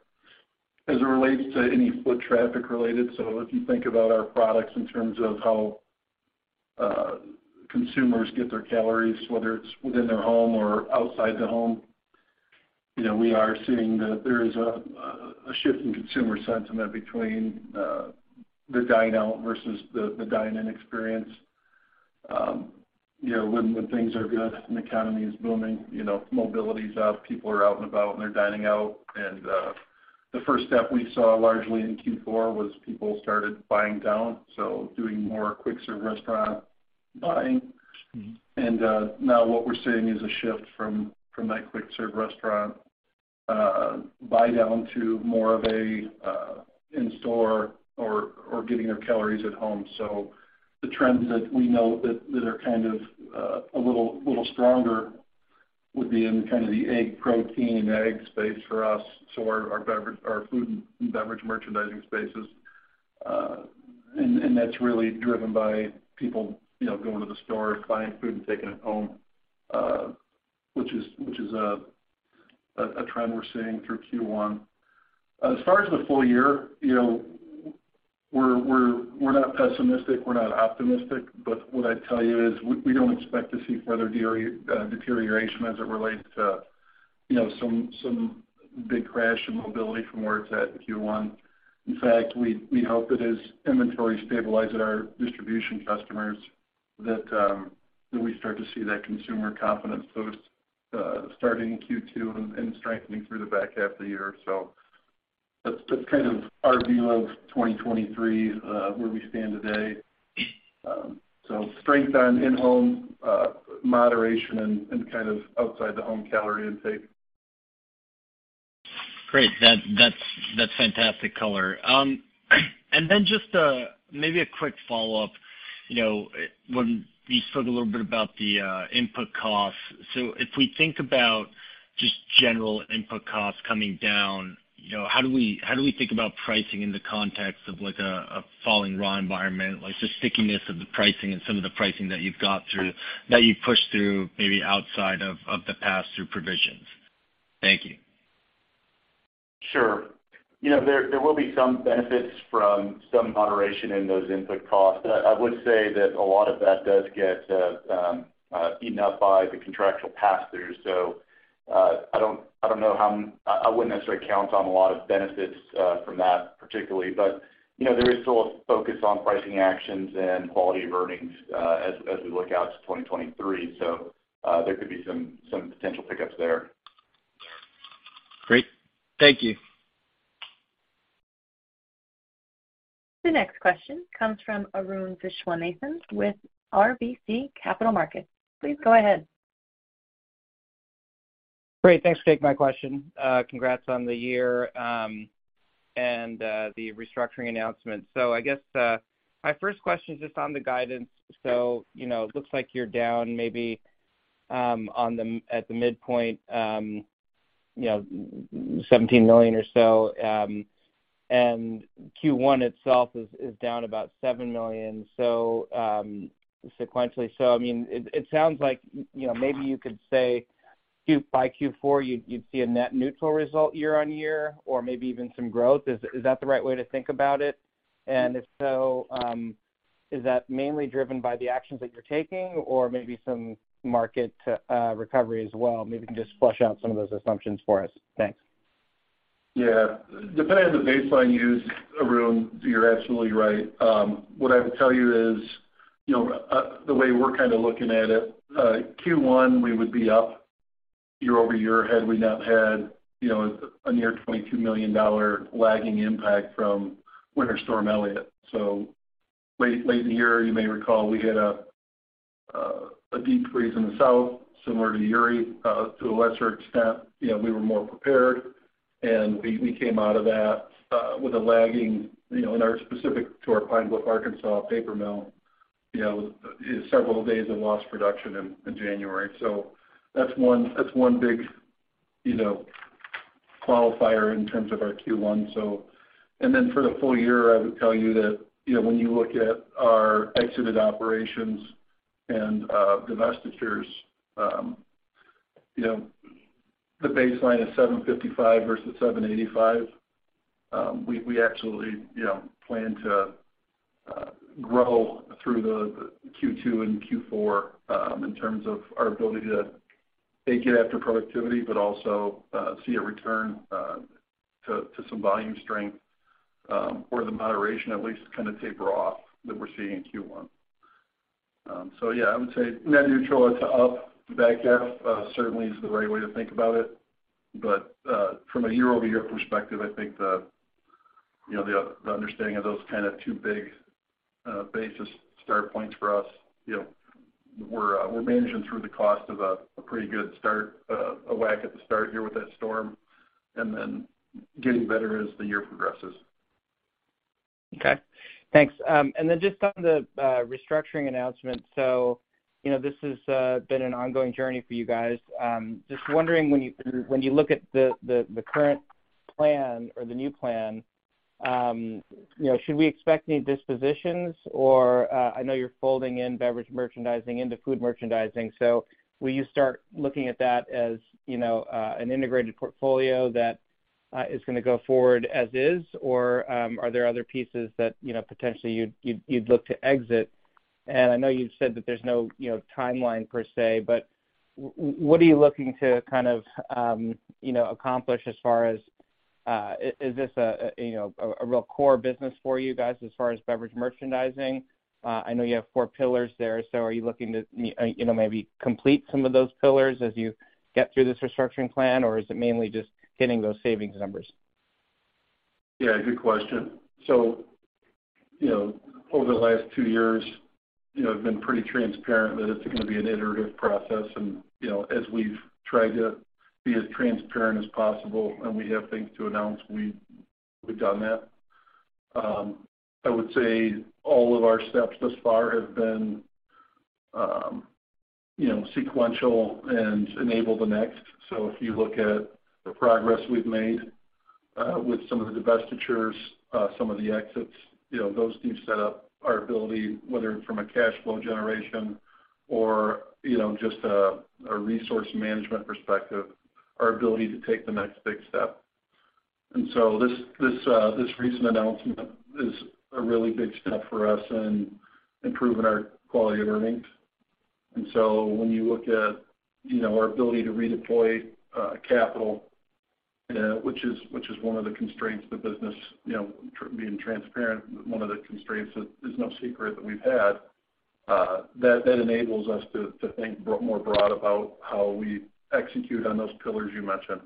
As it relates to any foot traffic related, so if you think about our products in terms of how consumers get their calories, whether it's within their home or outside the home, you know, we are seeing that there is a shift in consumer sentiment between the dine out versus the dine-in experience. You know, when things are good and the economy is booming, you know, mobility's up, people are out and about, and they're dining out. The first step we saw largely in Q4 was people started buying down, doing more quick serve restaurant buying. Mm-hmm. Now what we're seeing is a shift from that quick serve restaurant buy-down to more of a in-store or getting their calories at home. The trends that we know that are kind of a little stronger would be in kind of the egg protein, egg space for us. Our food and beverage merchandising spaces. And that's really driven by people, you know, going to the store, buying food, and taking it home, which is a trend we're seeing through Q1. As far as the full year, you know, we're not pessimistic, we're not optimistic, but what I'd tell you is we don't expect to see further deterioration as it relates to, you know, some big crash in mobility from where it's at in Q1. In fact, we hope that as inventory stabilize at our distribution customers that we start to see that consumer confidence both starting in Q2 and strengthening through the back half of the year. That's kind of our view of 2023 where we stand today. Strength on in-home, moderation and kind of outside the home calorie intake. Great. That's fantastic color. Then just a maybe a quick follow-up. You know, when you spoke a little bit about the input costs. If we think about just general input costs coming down, you know, how do we think about pricing in the context of like a falling raw environment, like just stickiness of the pricing and some of the pricing that you've pushed through maybe outside of the pass-through provisions? Thank you. You know, there will be some benefits from some moderation in those input costs. I would say that a lot of that does get eaten up by the contractual pass-throughs. I wouldn't necessarily count on a lot of benefits from that particularly. You know, there is still a focus on pricing actions and quality of earnings as we look out to 2023. There could be some potential pickups there. Great. Thank you. The next question comes from Arun Viswanathan with RBC Capital Markets. Please go ahead. Great. Thanks for taking my question. Congrats on the year and the restructuring announcement. I guess my first question is just on the guidance. You know, it looks like you're down maybe at the midpoint, you know, $17 million or so. Q1 itself is down about $7 million, sequentially. I mean, it sounds like, you know, maybe you could say by Q4, you'd see a net neutral result year-on-year or maybe even some growth. Is that the right way to think about it? If so, is that mainly driven by the actions that you're taking or maybe some market recovery as well? Maybe you can just flesh out some of those assumptions for us. Thanks. Yeah. Depending on the baseline used, Arun, you're absolutely right. What I would tell you is, you know, the way we're kind of looking at it, Q1 we would be up year-over-year had we not had, you know, a near $22 million lagging impact from Winter Storm Elliott. Late, late in the year, you may recall we had a deep freeze in the South, similar to Uri, to a lesser extent. You know, we were more prepared, and we came out of that with a lagging, you know, in our specific to our Pine Bluff, Arkansas paper mill, you know, is several days of lost production in January. That's one big, you know, qualifier in terms of our Q1. For the full year, I would tell you that, you know, when you look at our exited operations and divestitures, you know, the baseline is $755 versus $785. We absolutely, you know, plan to grow through the Q2 and Q4, in terms of our ability to take care after productivity, but also see a return to some volume strength, or the moderation at least kind of taper off that we're seeing in Q1. Yeah, I would say net neutral to up the back half, certainly is the right way to think about it. From a year-over-year perspective, I think the, you know, the understanding of those kind of two big basis start points for us, you know, we're managing through the cost of a pretty good start, a whack at the start here with that storm and then getting better as the year progresses. Okay. Thanks. Just on the restructuring announcement. You know, this has been an ongoing journey for you guys. Just wondering when you look at the current plan or the new plan, you know, should we expect any dispositions or, I know you're folding in beverage merchandising into food merchandising, will you start looking at that as, you know, an integrated portfolio that is gonna go forward as is, or, are there other pieces that, you know, potentially you'd look to exit? I know you've said that there's no, you know, timeline per se, but what are you looking to kind of, you know, accomplish as far as Is this a, you know, a real core business for you guys as far as beverage merchandising? I know you have four pillars there. Are you looking to, you know, maybe complete some of those pillars as you get through this restructuring plan? Is it mainly just hitting those savings numbers? Yeah, good question. You know, over the last 2 years, you know, I've been pretty transparent that it's gonna be an iterative process. You know, as we've tried to be as transparent as possible, and we have things to announce, we've done that. I would say all of our steps thus far have been, you know, sequential and enable the next. If you look at the progress we've made with some of the divestitures, some of the exits, you know, those do set up our ability, whether from a cash flow generation or, you know, just a resource management perspective, our ability to take the next big step. This recent announcement is a really big step for us in improving our quality of earnings. When you look at, you know, our ability to redeploy capital, which is one of the constraints the business, you know, being transparent, one of the constraints that is no secret that we've had, that enables us to think more broad about how we execute on those pillars you mentioned.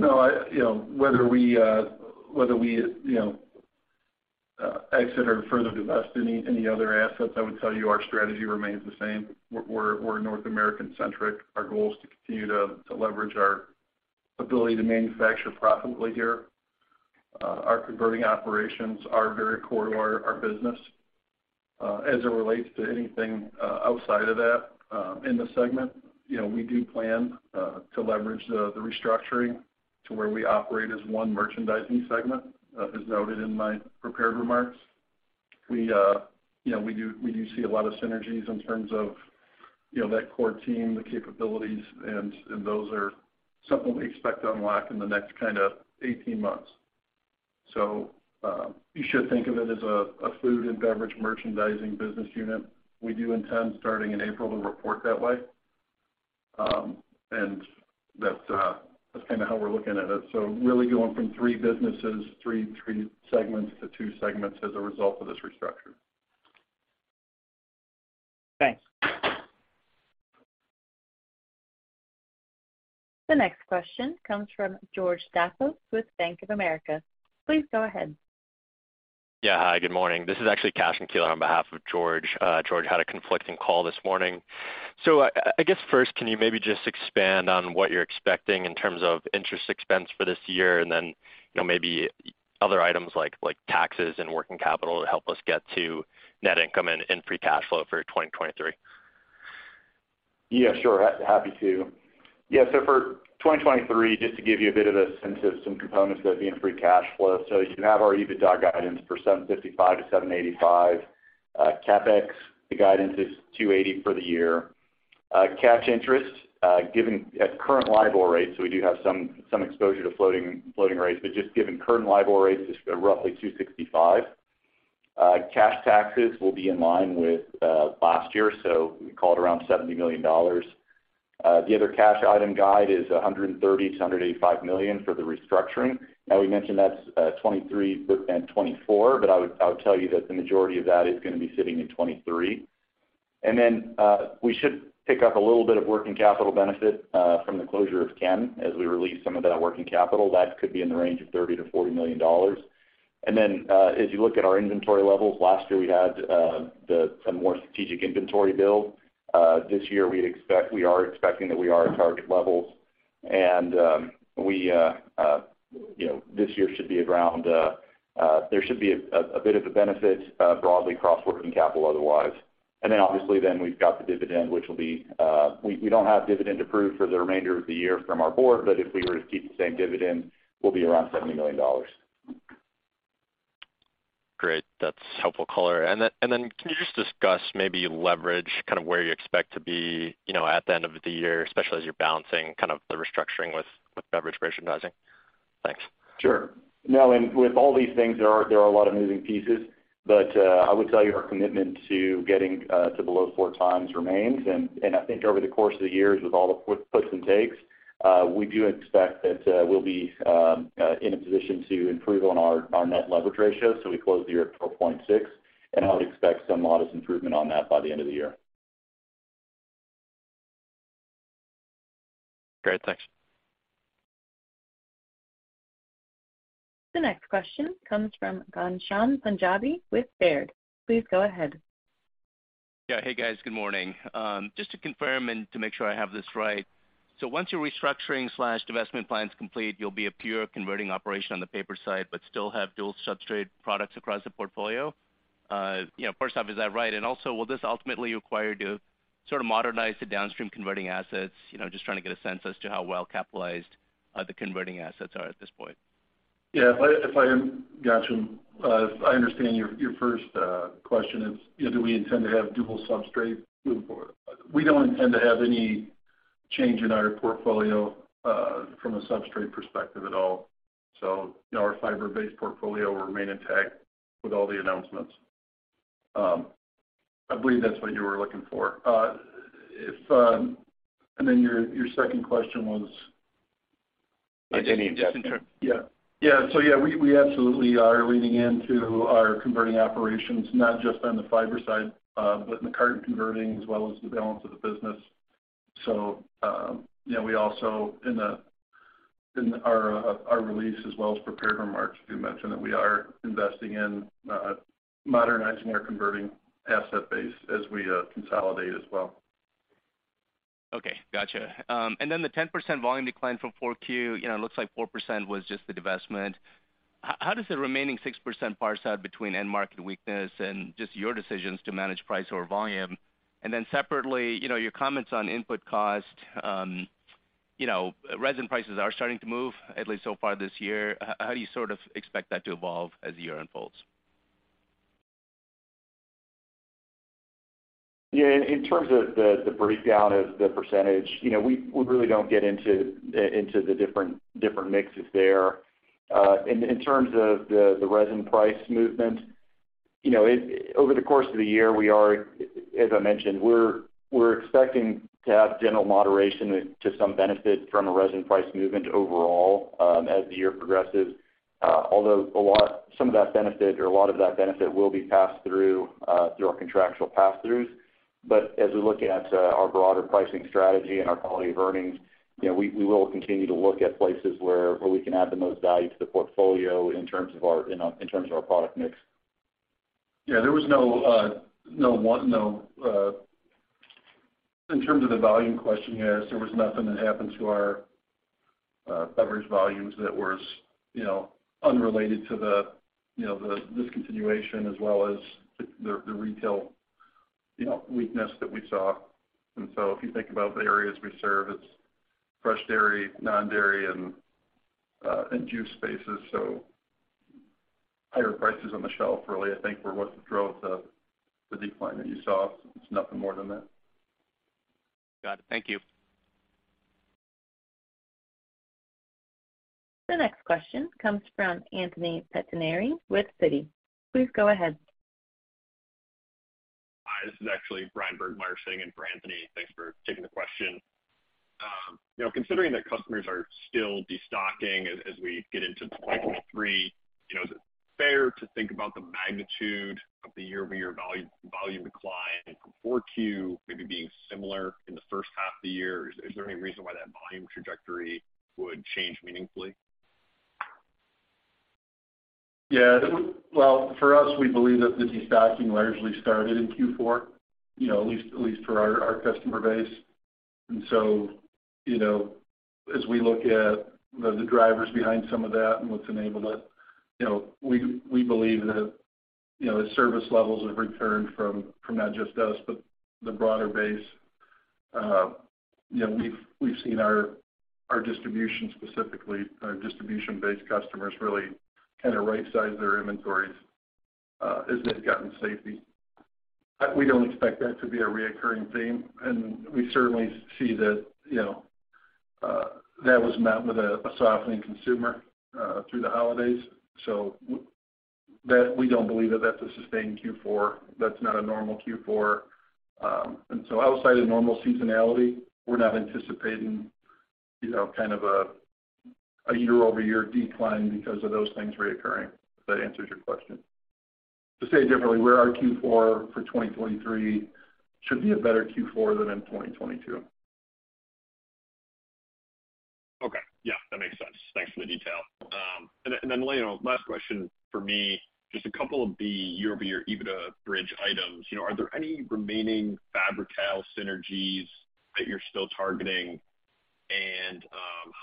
No, I, you know, whether we, you know, exit or further divest any other assets, I would tell you our strategy remains the same. We're North American-centric. Our goal is to continue to leverage our ability to manufacture profitably here. Our converting operations are very core to our business. As it relates to anything outside of that, in the segment, you know, we do plan to leverage the restructuring to where we operate as one merchandising segment, as noted in my prepared remarks. We, you know, we do see a lot of synergies in terms of, you know, that core team, the capabilities, and those are something we expect to unlock in the next kind of 18 months. You should think of it as a food and beverage merchandising business unit. We do intend starting in April to report that way. And that's kinda how we're looking at it. Really going from three businesses, three segments to two segments as a result of this restructure. Thanks. The next question comes from George Staphos with Bank of America. Please go ahead. Yeah. Hi, good morning. This is actually Cashen Keeler on behalf of George. George had a conflicting call this morning. I guess, first, can you maybe just expand on what you're expecting in terms of interest expense for this year and then, you know, maybe other items like taxes and working capital to help us get to net income and Free Cash Flow for 2023? Sure. Happy to. For 2023, just to give you a bit of a sense of some components that would be in Free Cash Flow. You have our EBITDA guidance for $755 million-$785 million. CapEx, the guidance is $280 million for the year. Cash interest, given at current LIBOR rates, we do have some exposure to floating rates, but just given current LIBOR rates is roughly $265 million. Cash taxes will be in line with last year, so we call it around $70 million. The other cash item guide is $130 million-$185 million for the restructuring. We mentioned that's 23 and 24, but I would tell you that the majority of that is gonna be sitting in 23. We should pick up a little bit of working capital benefit from the closure of Canton as we release some of that working capital. That could be in the range of $30 million-$40 million. As you look at our inventory levels, last year we had a more strategic inventory build. This year we are expecting that we are at target levels. We, you know, this year should be around, there should be a bit of a benefit broadly across working capital otherwise. Obviously then we've got the dividend, which will be, we don't have dividend approved for the remainder of the year from our board, but if we were to keep the same dividend, we'll be around $70 million. Great. That's helpful color. Then can you just discuss maybe leverage, kind of where you expect to be, you know, at the end of the year, especially as you're balancing kind of the restructuring with beverage merchandising? Thanks. Sure. Now with all these things, there are a lot of moving pieces, but I would tell you our commitment to getting to below 4 times remains. I think over the course of the years with all the puts and takes, we do expect that we'll be in a position to improve on our net leverage ratio. We close the year at 4.6, and I would expect some modest improvement on that by the end of the year. Great. Thanks. The next question comes from Ghansham Panjabi with Baird. Please go ahead. Yeah. Hey, guys. Good morning. just to confirm and to make sure I have this right. Once your restructuring/divestment plan's complete, you'll be a pure converting operation on the paper side, but still have dual substrate products across the portfolio. you know, first off, is that right? also, will this ultimately require you to sort of modernize the downstream converting assets? You know, just trying to get a sense as to how well-capitalized, the converting assets are at this point. Yeah, if I Ghansham, if I understand your first question is, you know, do we intend to have dual substrate going forward? We don't intend to have any change in our portfolio, from a substrate perspective at all. You know, our fiber-based portfolio will remain intact with all the announcements. I believe that's what you were looking for. If. Then your second question was? Continued debt. Yeah. Yeah, we absolutely are leaning into our converting operations, not just on the fiber side, but in the carton converting as well as the balance of the business. You know, we also in our release as well as prepared remarks, we mentioned that we are investing in modernizing our converting asset base as we consolidate as well. Okay. Gotcha. The 10% volume decline from four Q, you know, it looks like 4% was just the divestment. How does the remaining 6% parse out between end market weakness and just your decisions to manage price over volume? Separately, you know, your comments on input cost, you know, resin prices are starting to move at least so far this year. How do you sort of expect that to evolve as the year unfolds? Yeah. In terms of the breakdown of the percentage, you know, we really don't get into into the different mixes there. In terms of the resin price movement, you know, over the course of the year, we are, as I mentioned, we're expecting to have general moderation to some benefit from a resin price movement overall, as the year progresses. Although some of that benefit or a lot of that benefit will be passed through through our contractual pass-throughs. As we look at our broader pricing strategy and our quality of earnings, you know, we will continue to look at places where we can add the most value to the portfolio in terms of our product mix. Yeah, there was no. In terms of the volume question you asked, there was nothing that happened to our beverage volumes that was, you know, unrelated to the, you know, the discontinuation as well as the retail, you know, weakness that we saw. If you think about the areas we serve, it's fresh dairy, non-dairy, and juice spaces. Higher prices on the shelf really, I think, were what drove the decline that you saw. It's nothing more than that. Got it. Thank you. The next question comes from Anthony Pettinari with Citigroup. Please go ahead. Hi, this is actually Bryan Burgmeier sitting in for Anthony. Thanks for taking the question. You know, considering that customers are still destocking as we get into 2023, you know, is it fair to think about the magnitude of the year-over-year volume decline from 4Q maybe being similar in the first half of the year? Is there any reason why that volume trajectory would change meaningfully? Well, for us, we believe that the destocking largely started in Q4, you know, at least for our customer base. As we look at the drivers behind some of that and what's enabled it, you know, we believe that, you know, as service levels have returned from not just us, but the broader base, you know, we've seen our distribution, specifically our distribution-based customers really kind of right-size their inventories as they've gotten safety. We don't expect that to be a reoccurring theme, and we certainly see that, you know, that was met with a softening consumer through the holidays. We don't believe that that's a sustained Q4. That's not a normal Q4. Outside of normal seasonality, we're not anticipating, you know, kind of a year-over-year decline because of those things reoccurring. If that answers your question. To say it differently, our Q4 for 2023 should be a better Q4 than in 2022. Okay. Yeah, that makes sense. Thanks for the detail. Then, you know, last question for me, just a couple of the year-over-year EBITDA bridge items. You know, are there any remaining Fabri-Kal synergies that you're still targeting?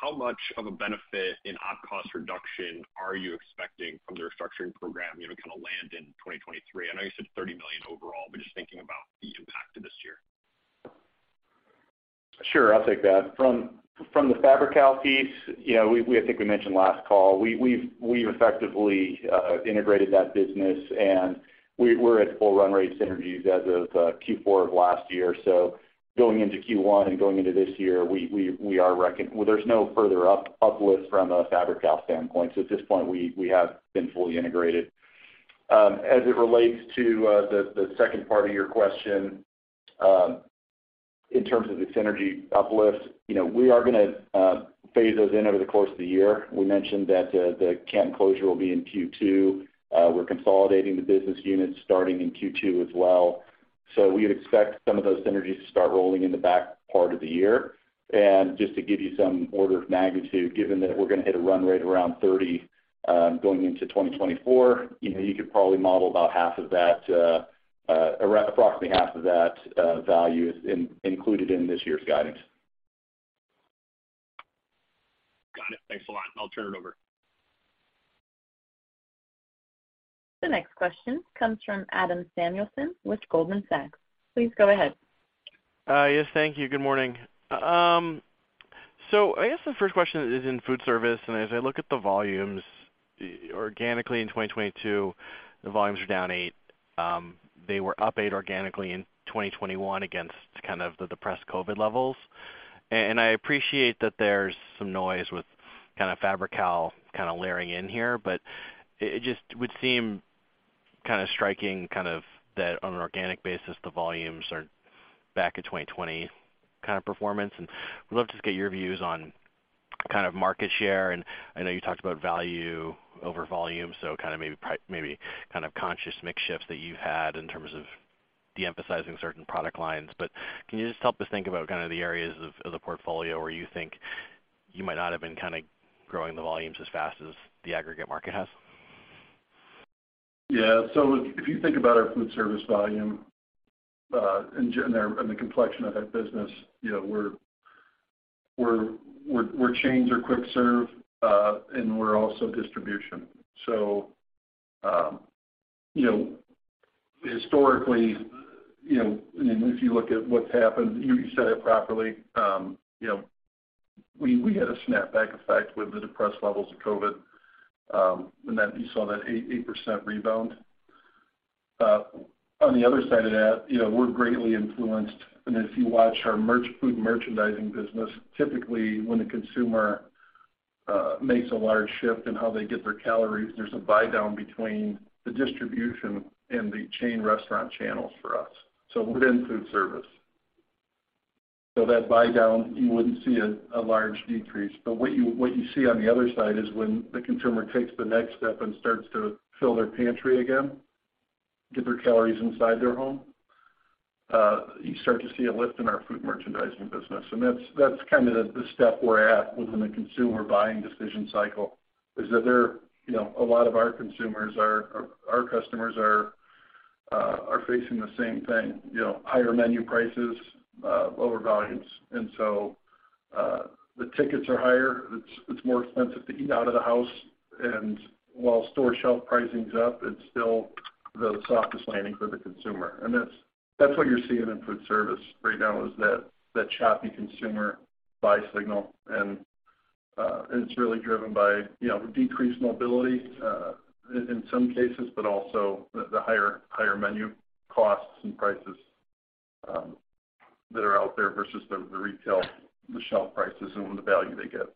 How much of a benefit in op cost reduction are you expecting from the restructuring program, you know, to kind of land in 2023? I know you said $30 million overall, but just thinking about the impact to this year. Sure. I'll take that. From the Fabri-Kal piece, you know, we I think we mentioned last call, we've effectively integrated that business, and we're at full run rate synergies as of Q4 of last year. Going into Q1 and going into this year, we are well, there's no further uplift from a Fabri-Kal standpoint. At this point, we have been fully integrated. As it relates to the second part of your question, in terms of the synergy uplift, you know, we are gonna phase those in over the course of the year. We mentioned that the Canton closure will be in Q2. We're consolidating the business units starting in Q2 as well. We would expect some of those synergies to start rolling in the back part of the year. Just to give you some order of magnitude, given that we're gonna hit a run rate around 30, going into 2024, you know, you could probably model approximately half of that value is included in this year's guidance. Got it. Thanks a lot. I'll turn it over. The next question comes from Adam Samuelson with Goldman Sachs. Please go ahead. Yes, thank you. Good morning. I guess the first question is in food service, as I look at the volumes organically in 2022, the volumes are down 8%. They were up 8% organically in 2021 against kind of the depressed COVID levels. I appreciate that there's some noise with kind of Fabri-Kal kind of layering in here, but it just would seem kind of striking kind of that on an organic basis, the volumes are back in 2020 kind of performance. Would love to just get your views on kind of market share. I know you talked about value over volume, maybe kind of conscious mix shifts that you had in terms of de-emphasizing certain product lines. Can you just help us think about kind of the areas of the portfolio where you think you might not have been kind of growing the volumes as fast as the aggregate market has? If you think about our food service volume, and the complexion of that business, you know, we're chains or quick serve, and we're also distribution. You know, historically, you know, and if you look at what's happened, you said it properly, you know, we had a snapback effect with the depressed levels of COVID, and then you saw that 8% rebound. On the other side of that, you know, we're greatly influenced, and if you watch our food merchandising business, typically, when a consumer makes a large shift in how they get their calories, there's a buy-down between the distribution and the chain restaurant channels for us, so within food service. That buy-down, you wouldn't see a large decrease. What you see on the other side is when the consumer takes the next step and starts to fill their pantry again, get their calories inside their home, you start to see a lift in our food merchandising business. That's kind of the step we're at within the consumer buying decision cycle, is that they're, you know, a lot of our consumers our customers are facing the same thing, you know, higher menu prices, lower volumes. The tickets are higher. It's more expensive to eat out of the house. While store shelf pricing's up, it's still the softest landing for the consumer. That's what you're seeing in food service right now is that choppy consumer buy signal. It's really driven by, you know, decreased mobility, in some cases, but also the higher menu costs and prices, that are out there versus the retail, the shelf prices and the value they get.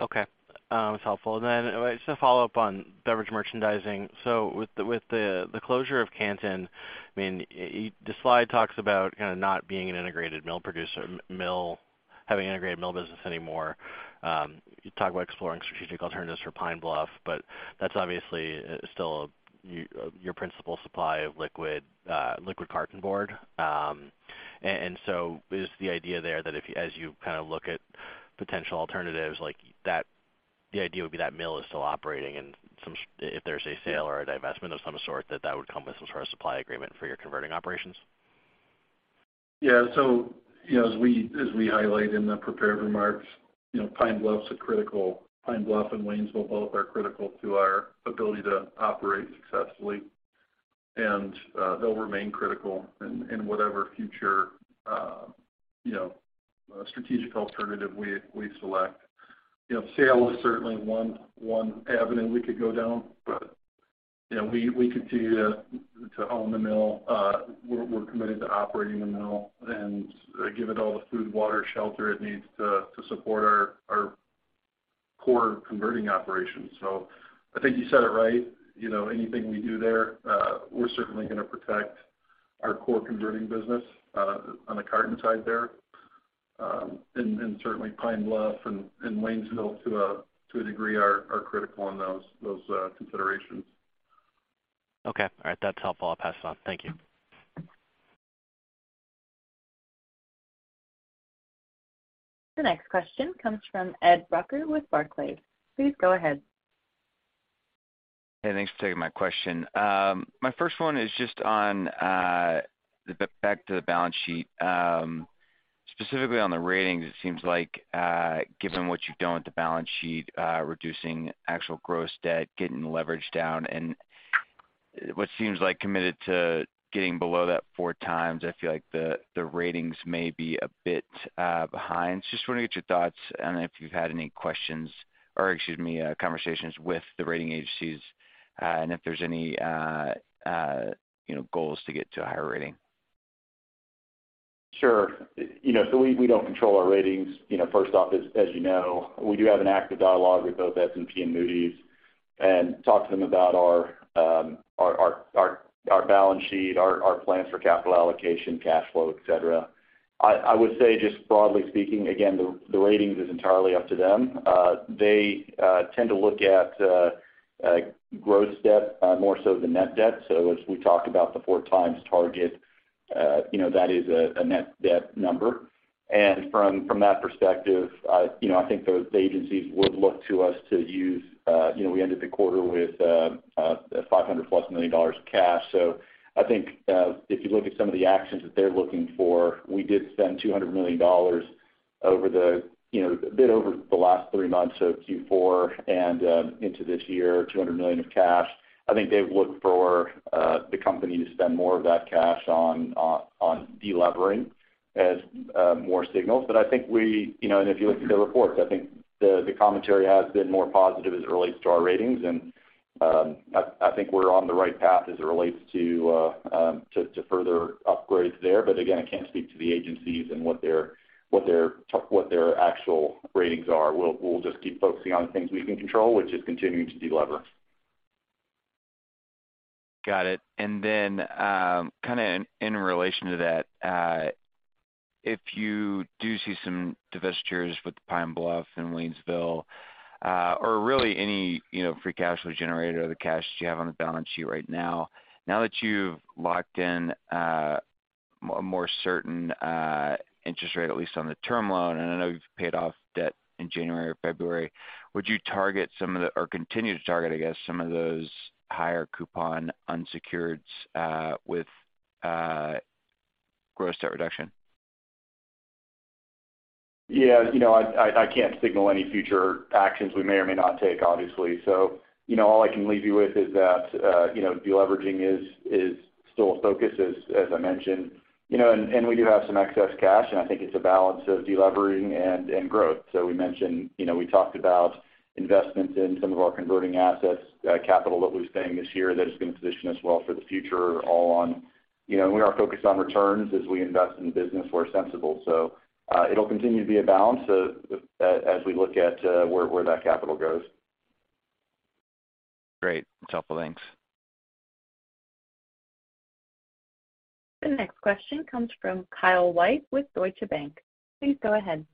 Okay. It's helpful. Just to follow up on beverage merchandising. With the closure of Canton, I mean, the slide talks about kind of not being an integrated mill producer, having integrated mill business anymore. You talk about exploring strategic alternatives for Pine Bluff, but that's obviously still your principal supply of liquid packaging board. Is the idea there that if as you kind of look at potential alternatives like that, the idea would be that mill is still operating and if there's a sale or a divestment of some sort, that that would come with some sort of supply agreement for your converting operations? Yeah. You know, as we highlight in the prepared remarks, you know, Pine Bluff and Waynesville both are critical to our ability to operate successfully. They'll remain critical in whatever future, you know, strategic alternative we select. You know, sale is certainly one avenue we could go down, but, you know, we continue to own the mill. We're committed to operating the mill and give it all the food, water, shelter it needs to support our core converting operations. I think you said it right. You know, anything we do there, we're certainly gonna protect our core converting business on the carton side there. And certainly Pine Bluff and Waynesville to a degree are critical in those considerations. Okay. All right. That's helpful. I'll pass it on. Thank you. The next question comes from Ed Rucker with Barclays. Please go ahead. Hey, thanks for taking my question. My first one is just back to the balance sheet. Specifically on the ratings, it seems like given what you've done with the balance sheet, reducing actual gross debt, getting leverage down, and what seems like committed to getting below that 4 times, I feel like the ratings may be a bit behind. Just wanna get your thoughts and if you've had any conversations with the rating agencies, and if there's any, you know, goals to get to a higher rating. Sure. You know, we don't control our ratings, you know, first off, as you know. We do have an active dialogue with both S&P and Moody's and talk to them about our balance sheet, our plans for capital allocation, cash flow, et cetera. I would say, just broadly speaking, again, the ratings is entirely up to them. They tend to look at gross debt more so than net debt. As we talked about the 4x target, you know, that is a net debt number. From that perspective, you know, I think those agencies would look to us to use, you know, we ended the quarter with $500+ million of cash. I think, if you look at some of the actions that they're looking for, we did spend $200 million over the, you know, a bit over the last three months, so Q4 and, into this year, $200 million of cash. I think they look for the company to spend more of that cash on on delevering as more signals. I think we, you know, and if you look at the reports, I think the commentary has been more positive as it relates to our ratings and I think we're on the right path as it relates to further upgrades there. Again, I can't speak to the agencies and what their actual ratings are. We'll just keep focusing on things we can control, which is continuing to delever. Got it. Kinda in relation to that, if you do see some divestitures with Pine Bluff and Waynesville, or really any, you know, Free Cash Flow generated or the cash you have on the balance sheet right now that you've locked in, a more certain, interest rate, at least on the term loan, and I know you've paid off debt in January or February, would you target or continue to target, I guess, some of those higher coupon unsecureds, with, gross debt reduction? Yeah. You know, I, I can't signal any future actions we may or may not take, obviously. You know, all I can leave you with is that, you know, deleveraging is still a focus as I mentioned. You know, and we do have some excess cash, and I think it's a balance of deleveraging and growth. We mentioned, you know, we talked about investments in some of our converting assets, capital that we're staying this year that is gonna position us well for the future. You know, we are focused on returns as we invest in business where sensible. It'll continue to be a balance as we look at where that capital goes. Great. That's helpful. Thanks. The next question comes from Kyle White with Deutsche Bank. Please go ahead.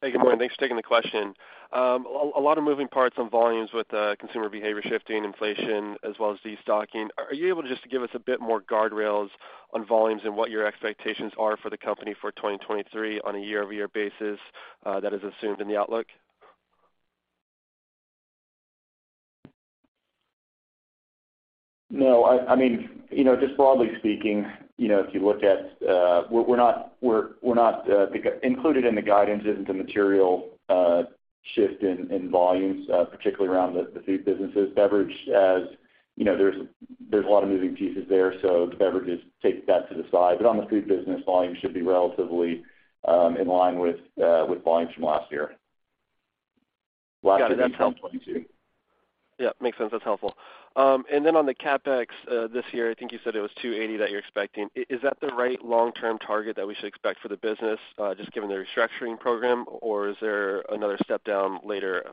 Hey, good morning. Thanks for taking the question. A lot of moving parts on volumes with consumer behavior shifting, inflation, as well as destocking. Are you able to just give us a bit more guardrails on volumes and what your expectations are for the company for 2023 on a year-over-year basis that is assumed in the outlook? No, I mean, you know, just broadly speaking, you know, if you look at, we're not included in the guidance isn't a material shift in volumes, particularly around the food businesses. Beverage as, you know, there's a lot of moving pieces there, so the beverages take that to the side. On the food business, volume should be relatively in line with volumes from last year. Last year being 22. Yeah, makes sense. That's helpful. On the CapEx this year, I think you said it was $280 that you're expecting. Is that the right long-term target that we should expect for the business just given the restructuring program, or is there another step down later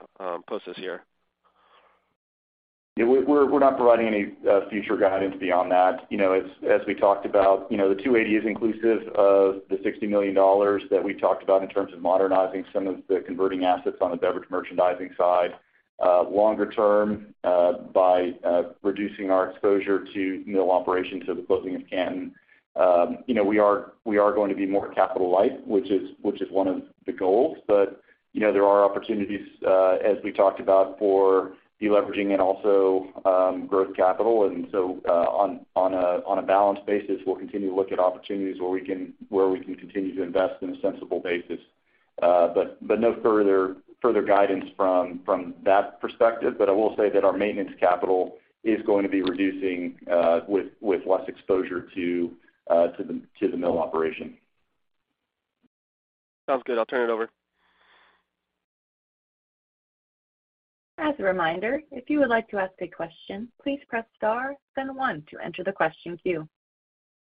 post this year? Yeah, we're not providing any future guidance beyond that. You know, as we talked about, you know, the 280 is inclusive of the $60 million that we talked about in terms of modernizing some of the converting assets on the beverage merchandising side. Longer term, by reducing our exposure to mill operations with the closing of Canton, you know, we are going to be more capital light, which is one of the goals. But, you know, there are opportunities, as we talked about for deleveraging and also growth capital. On a balanced basis, we'll continue to look at opportunities where we can continue to invest in a sensible basis. But no further guidance from that perspective. I will say that our maintenance capital is going to be reducing with less exposure to the mill operation. Sounds good. I'll turn it over. As a reminder, if you would like to ask a question, please press star then one to enter the question queue.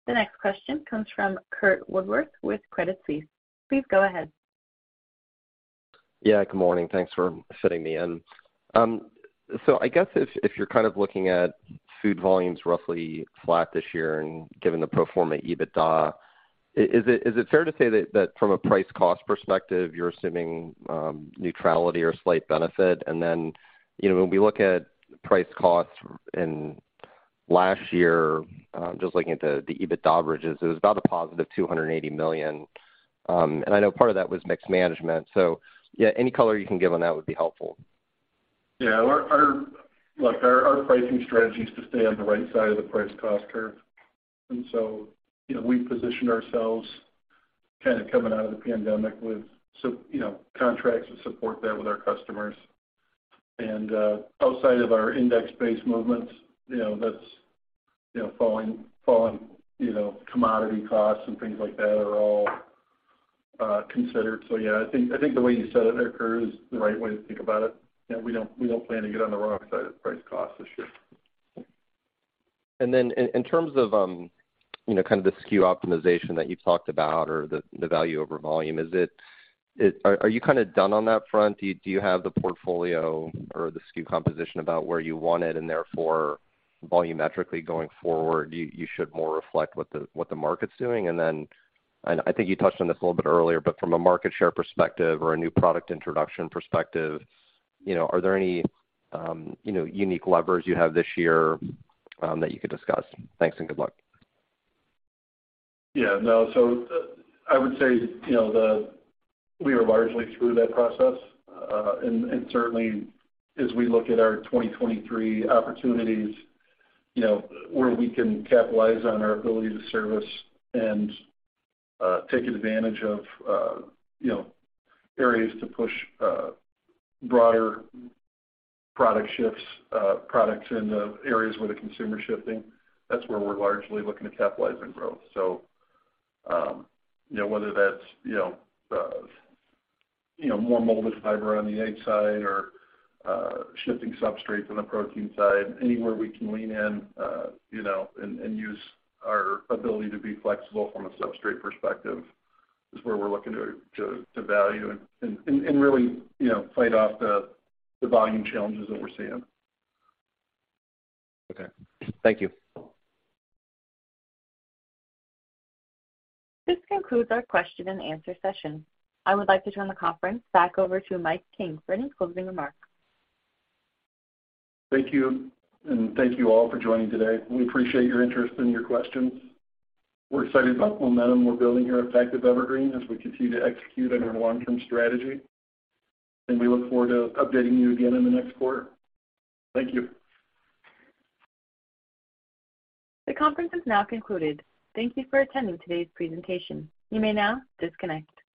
The next question comes from Curt Woodworth with Credit Suisse. Please go ahead. Yeah, good morning. Thanks for fitting me in. I guess if you're kind of looking at food volumes roughly flat this year and given the pro forma EBITDA, is it fair to say that from a price cost perspective, you're assuming neutrality or slight benefit? You know, when we look at price costs in last year, just looking at the EBITDA bridges, it was about a positive $280 million. I know part of that was mix management. Yeah, any color you can give on that would be helpful. Yeah, our pricing strategy is to stay on the right side of the price cost curve. You know, we positioned ourselves kinda coming out of the pandemic with, you know, contracts to support that with our customers. Outside of our index-based movements, you know, that's, you know, falling, commodity costs and things like that are all considered. Yeah, I think the way you said it there, Curt, is the right way to think about it. You know, we don't plan to get on the wrong side of the price cost this year. Then in terms of, you know, kind of the SKU optimization that you talked about or the value over volume, are you kinda done on that front? Do you, do you have the portfolio or the SKU composition about where you want it, and therefore, volumetrically going forward, you should more reflect what the, what the market's doing? Then I know I think you touched on this a little bit earlier, but from a market share perspective or a new product introduction perspective, you know, are there any, you know, unique levers you have this year, that you could discuss? Thanks, and good luck. Yeah, no. I would say, you know, we are largely through that process. And certainly as we look at our 2023 opportunities, you know, where we can capitalize on our ability to service and take advantage of, you know, areas to push broader product shifts, products in the areas where the consumer shifting, that's where we're largely looking to capitalize and grow. So, you know, whether that's, you know, more molded fiber on the egg side or shifting substrates on the protein side, anywhere we can lean in, you know, and use our ability to be flexible from a substrate perspective is where we're looking to value and really, you know, fight off the volume challenges that we're seeing. Okay. Thank you. This concludes our question and answer session. I would like to turn the conference back over to Mike King for any closing remarks. Thank you. Thank you all for joining today. We appreciate your interest and your questions. We're excited about the momentum we're building here at Pactiv Evergreen as we continue to execute on our long-term strategy, and we look forward to updating you again in the next quarter. Thank you. The conference is now concluded. Thank You for attending today's presentation. You may now disconnect.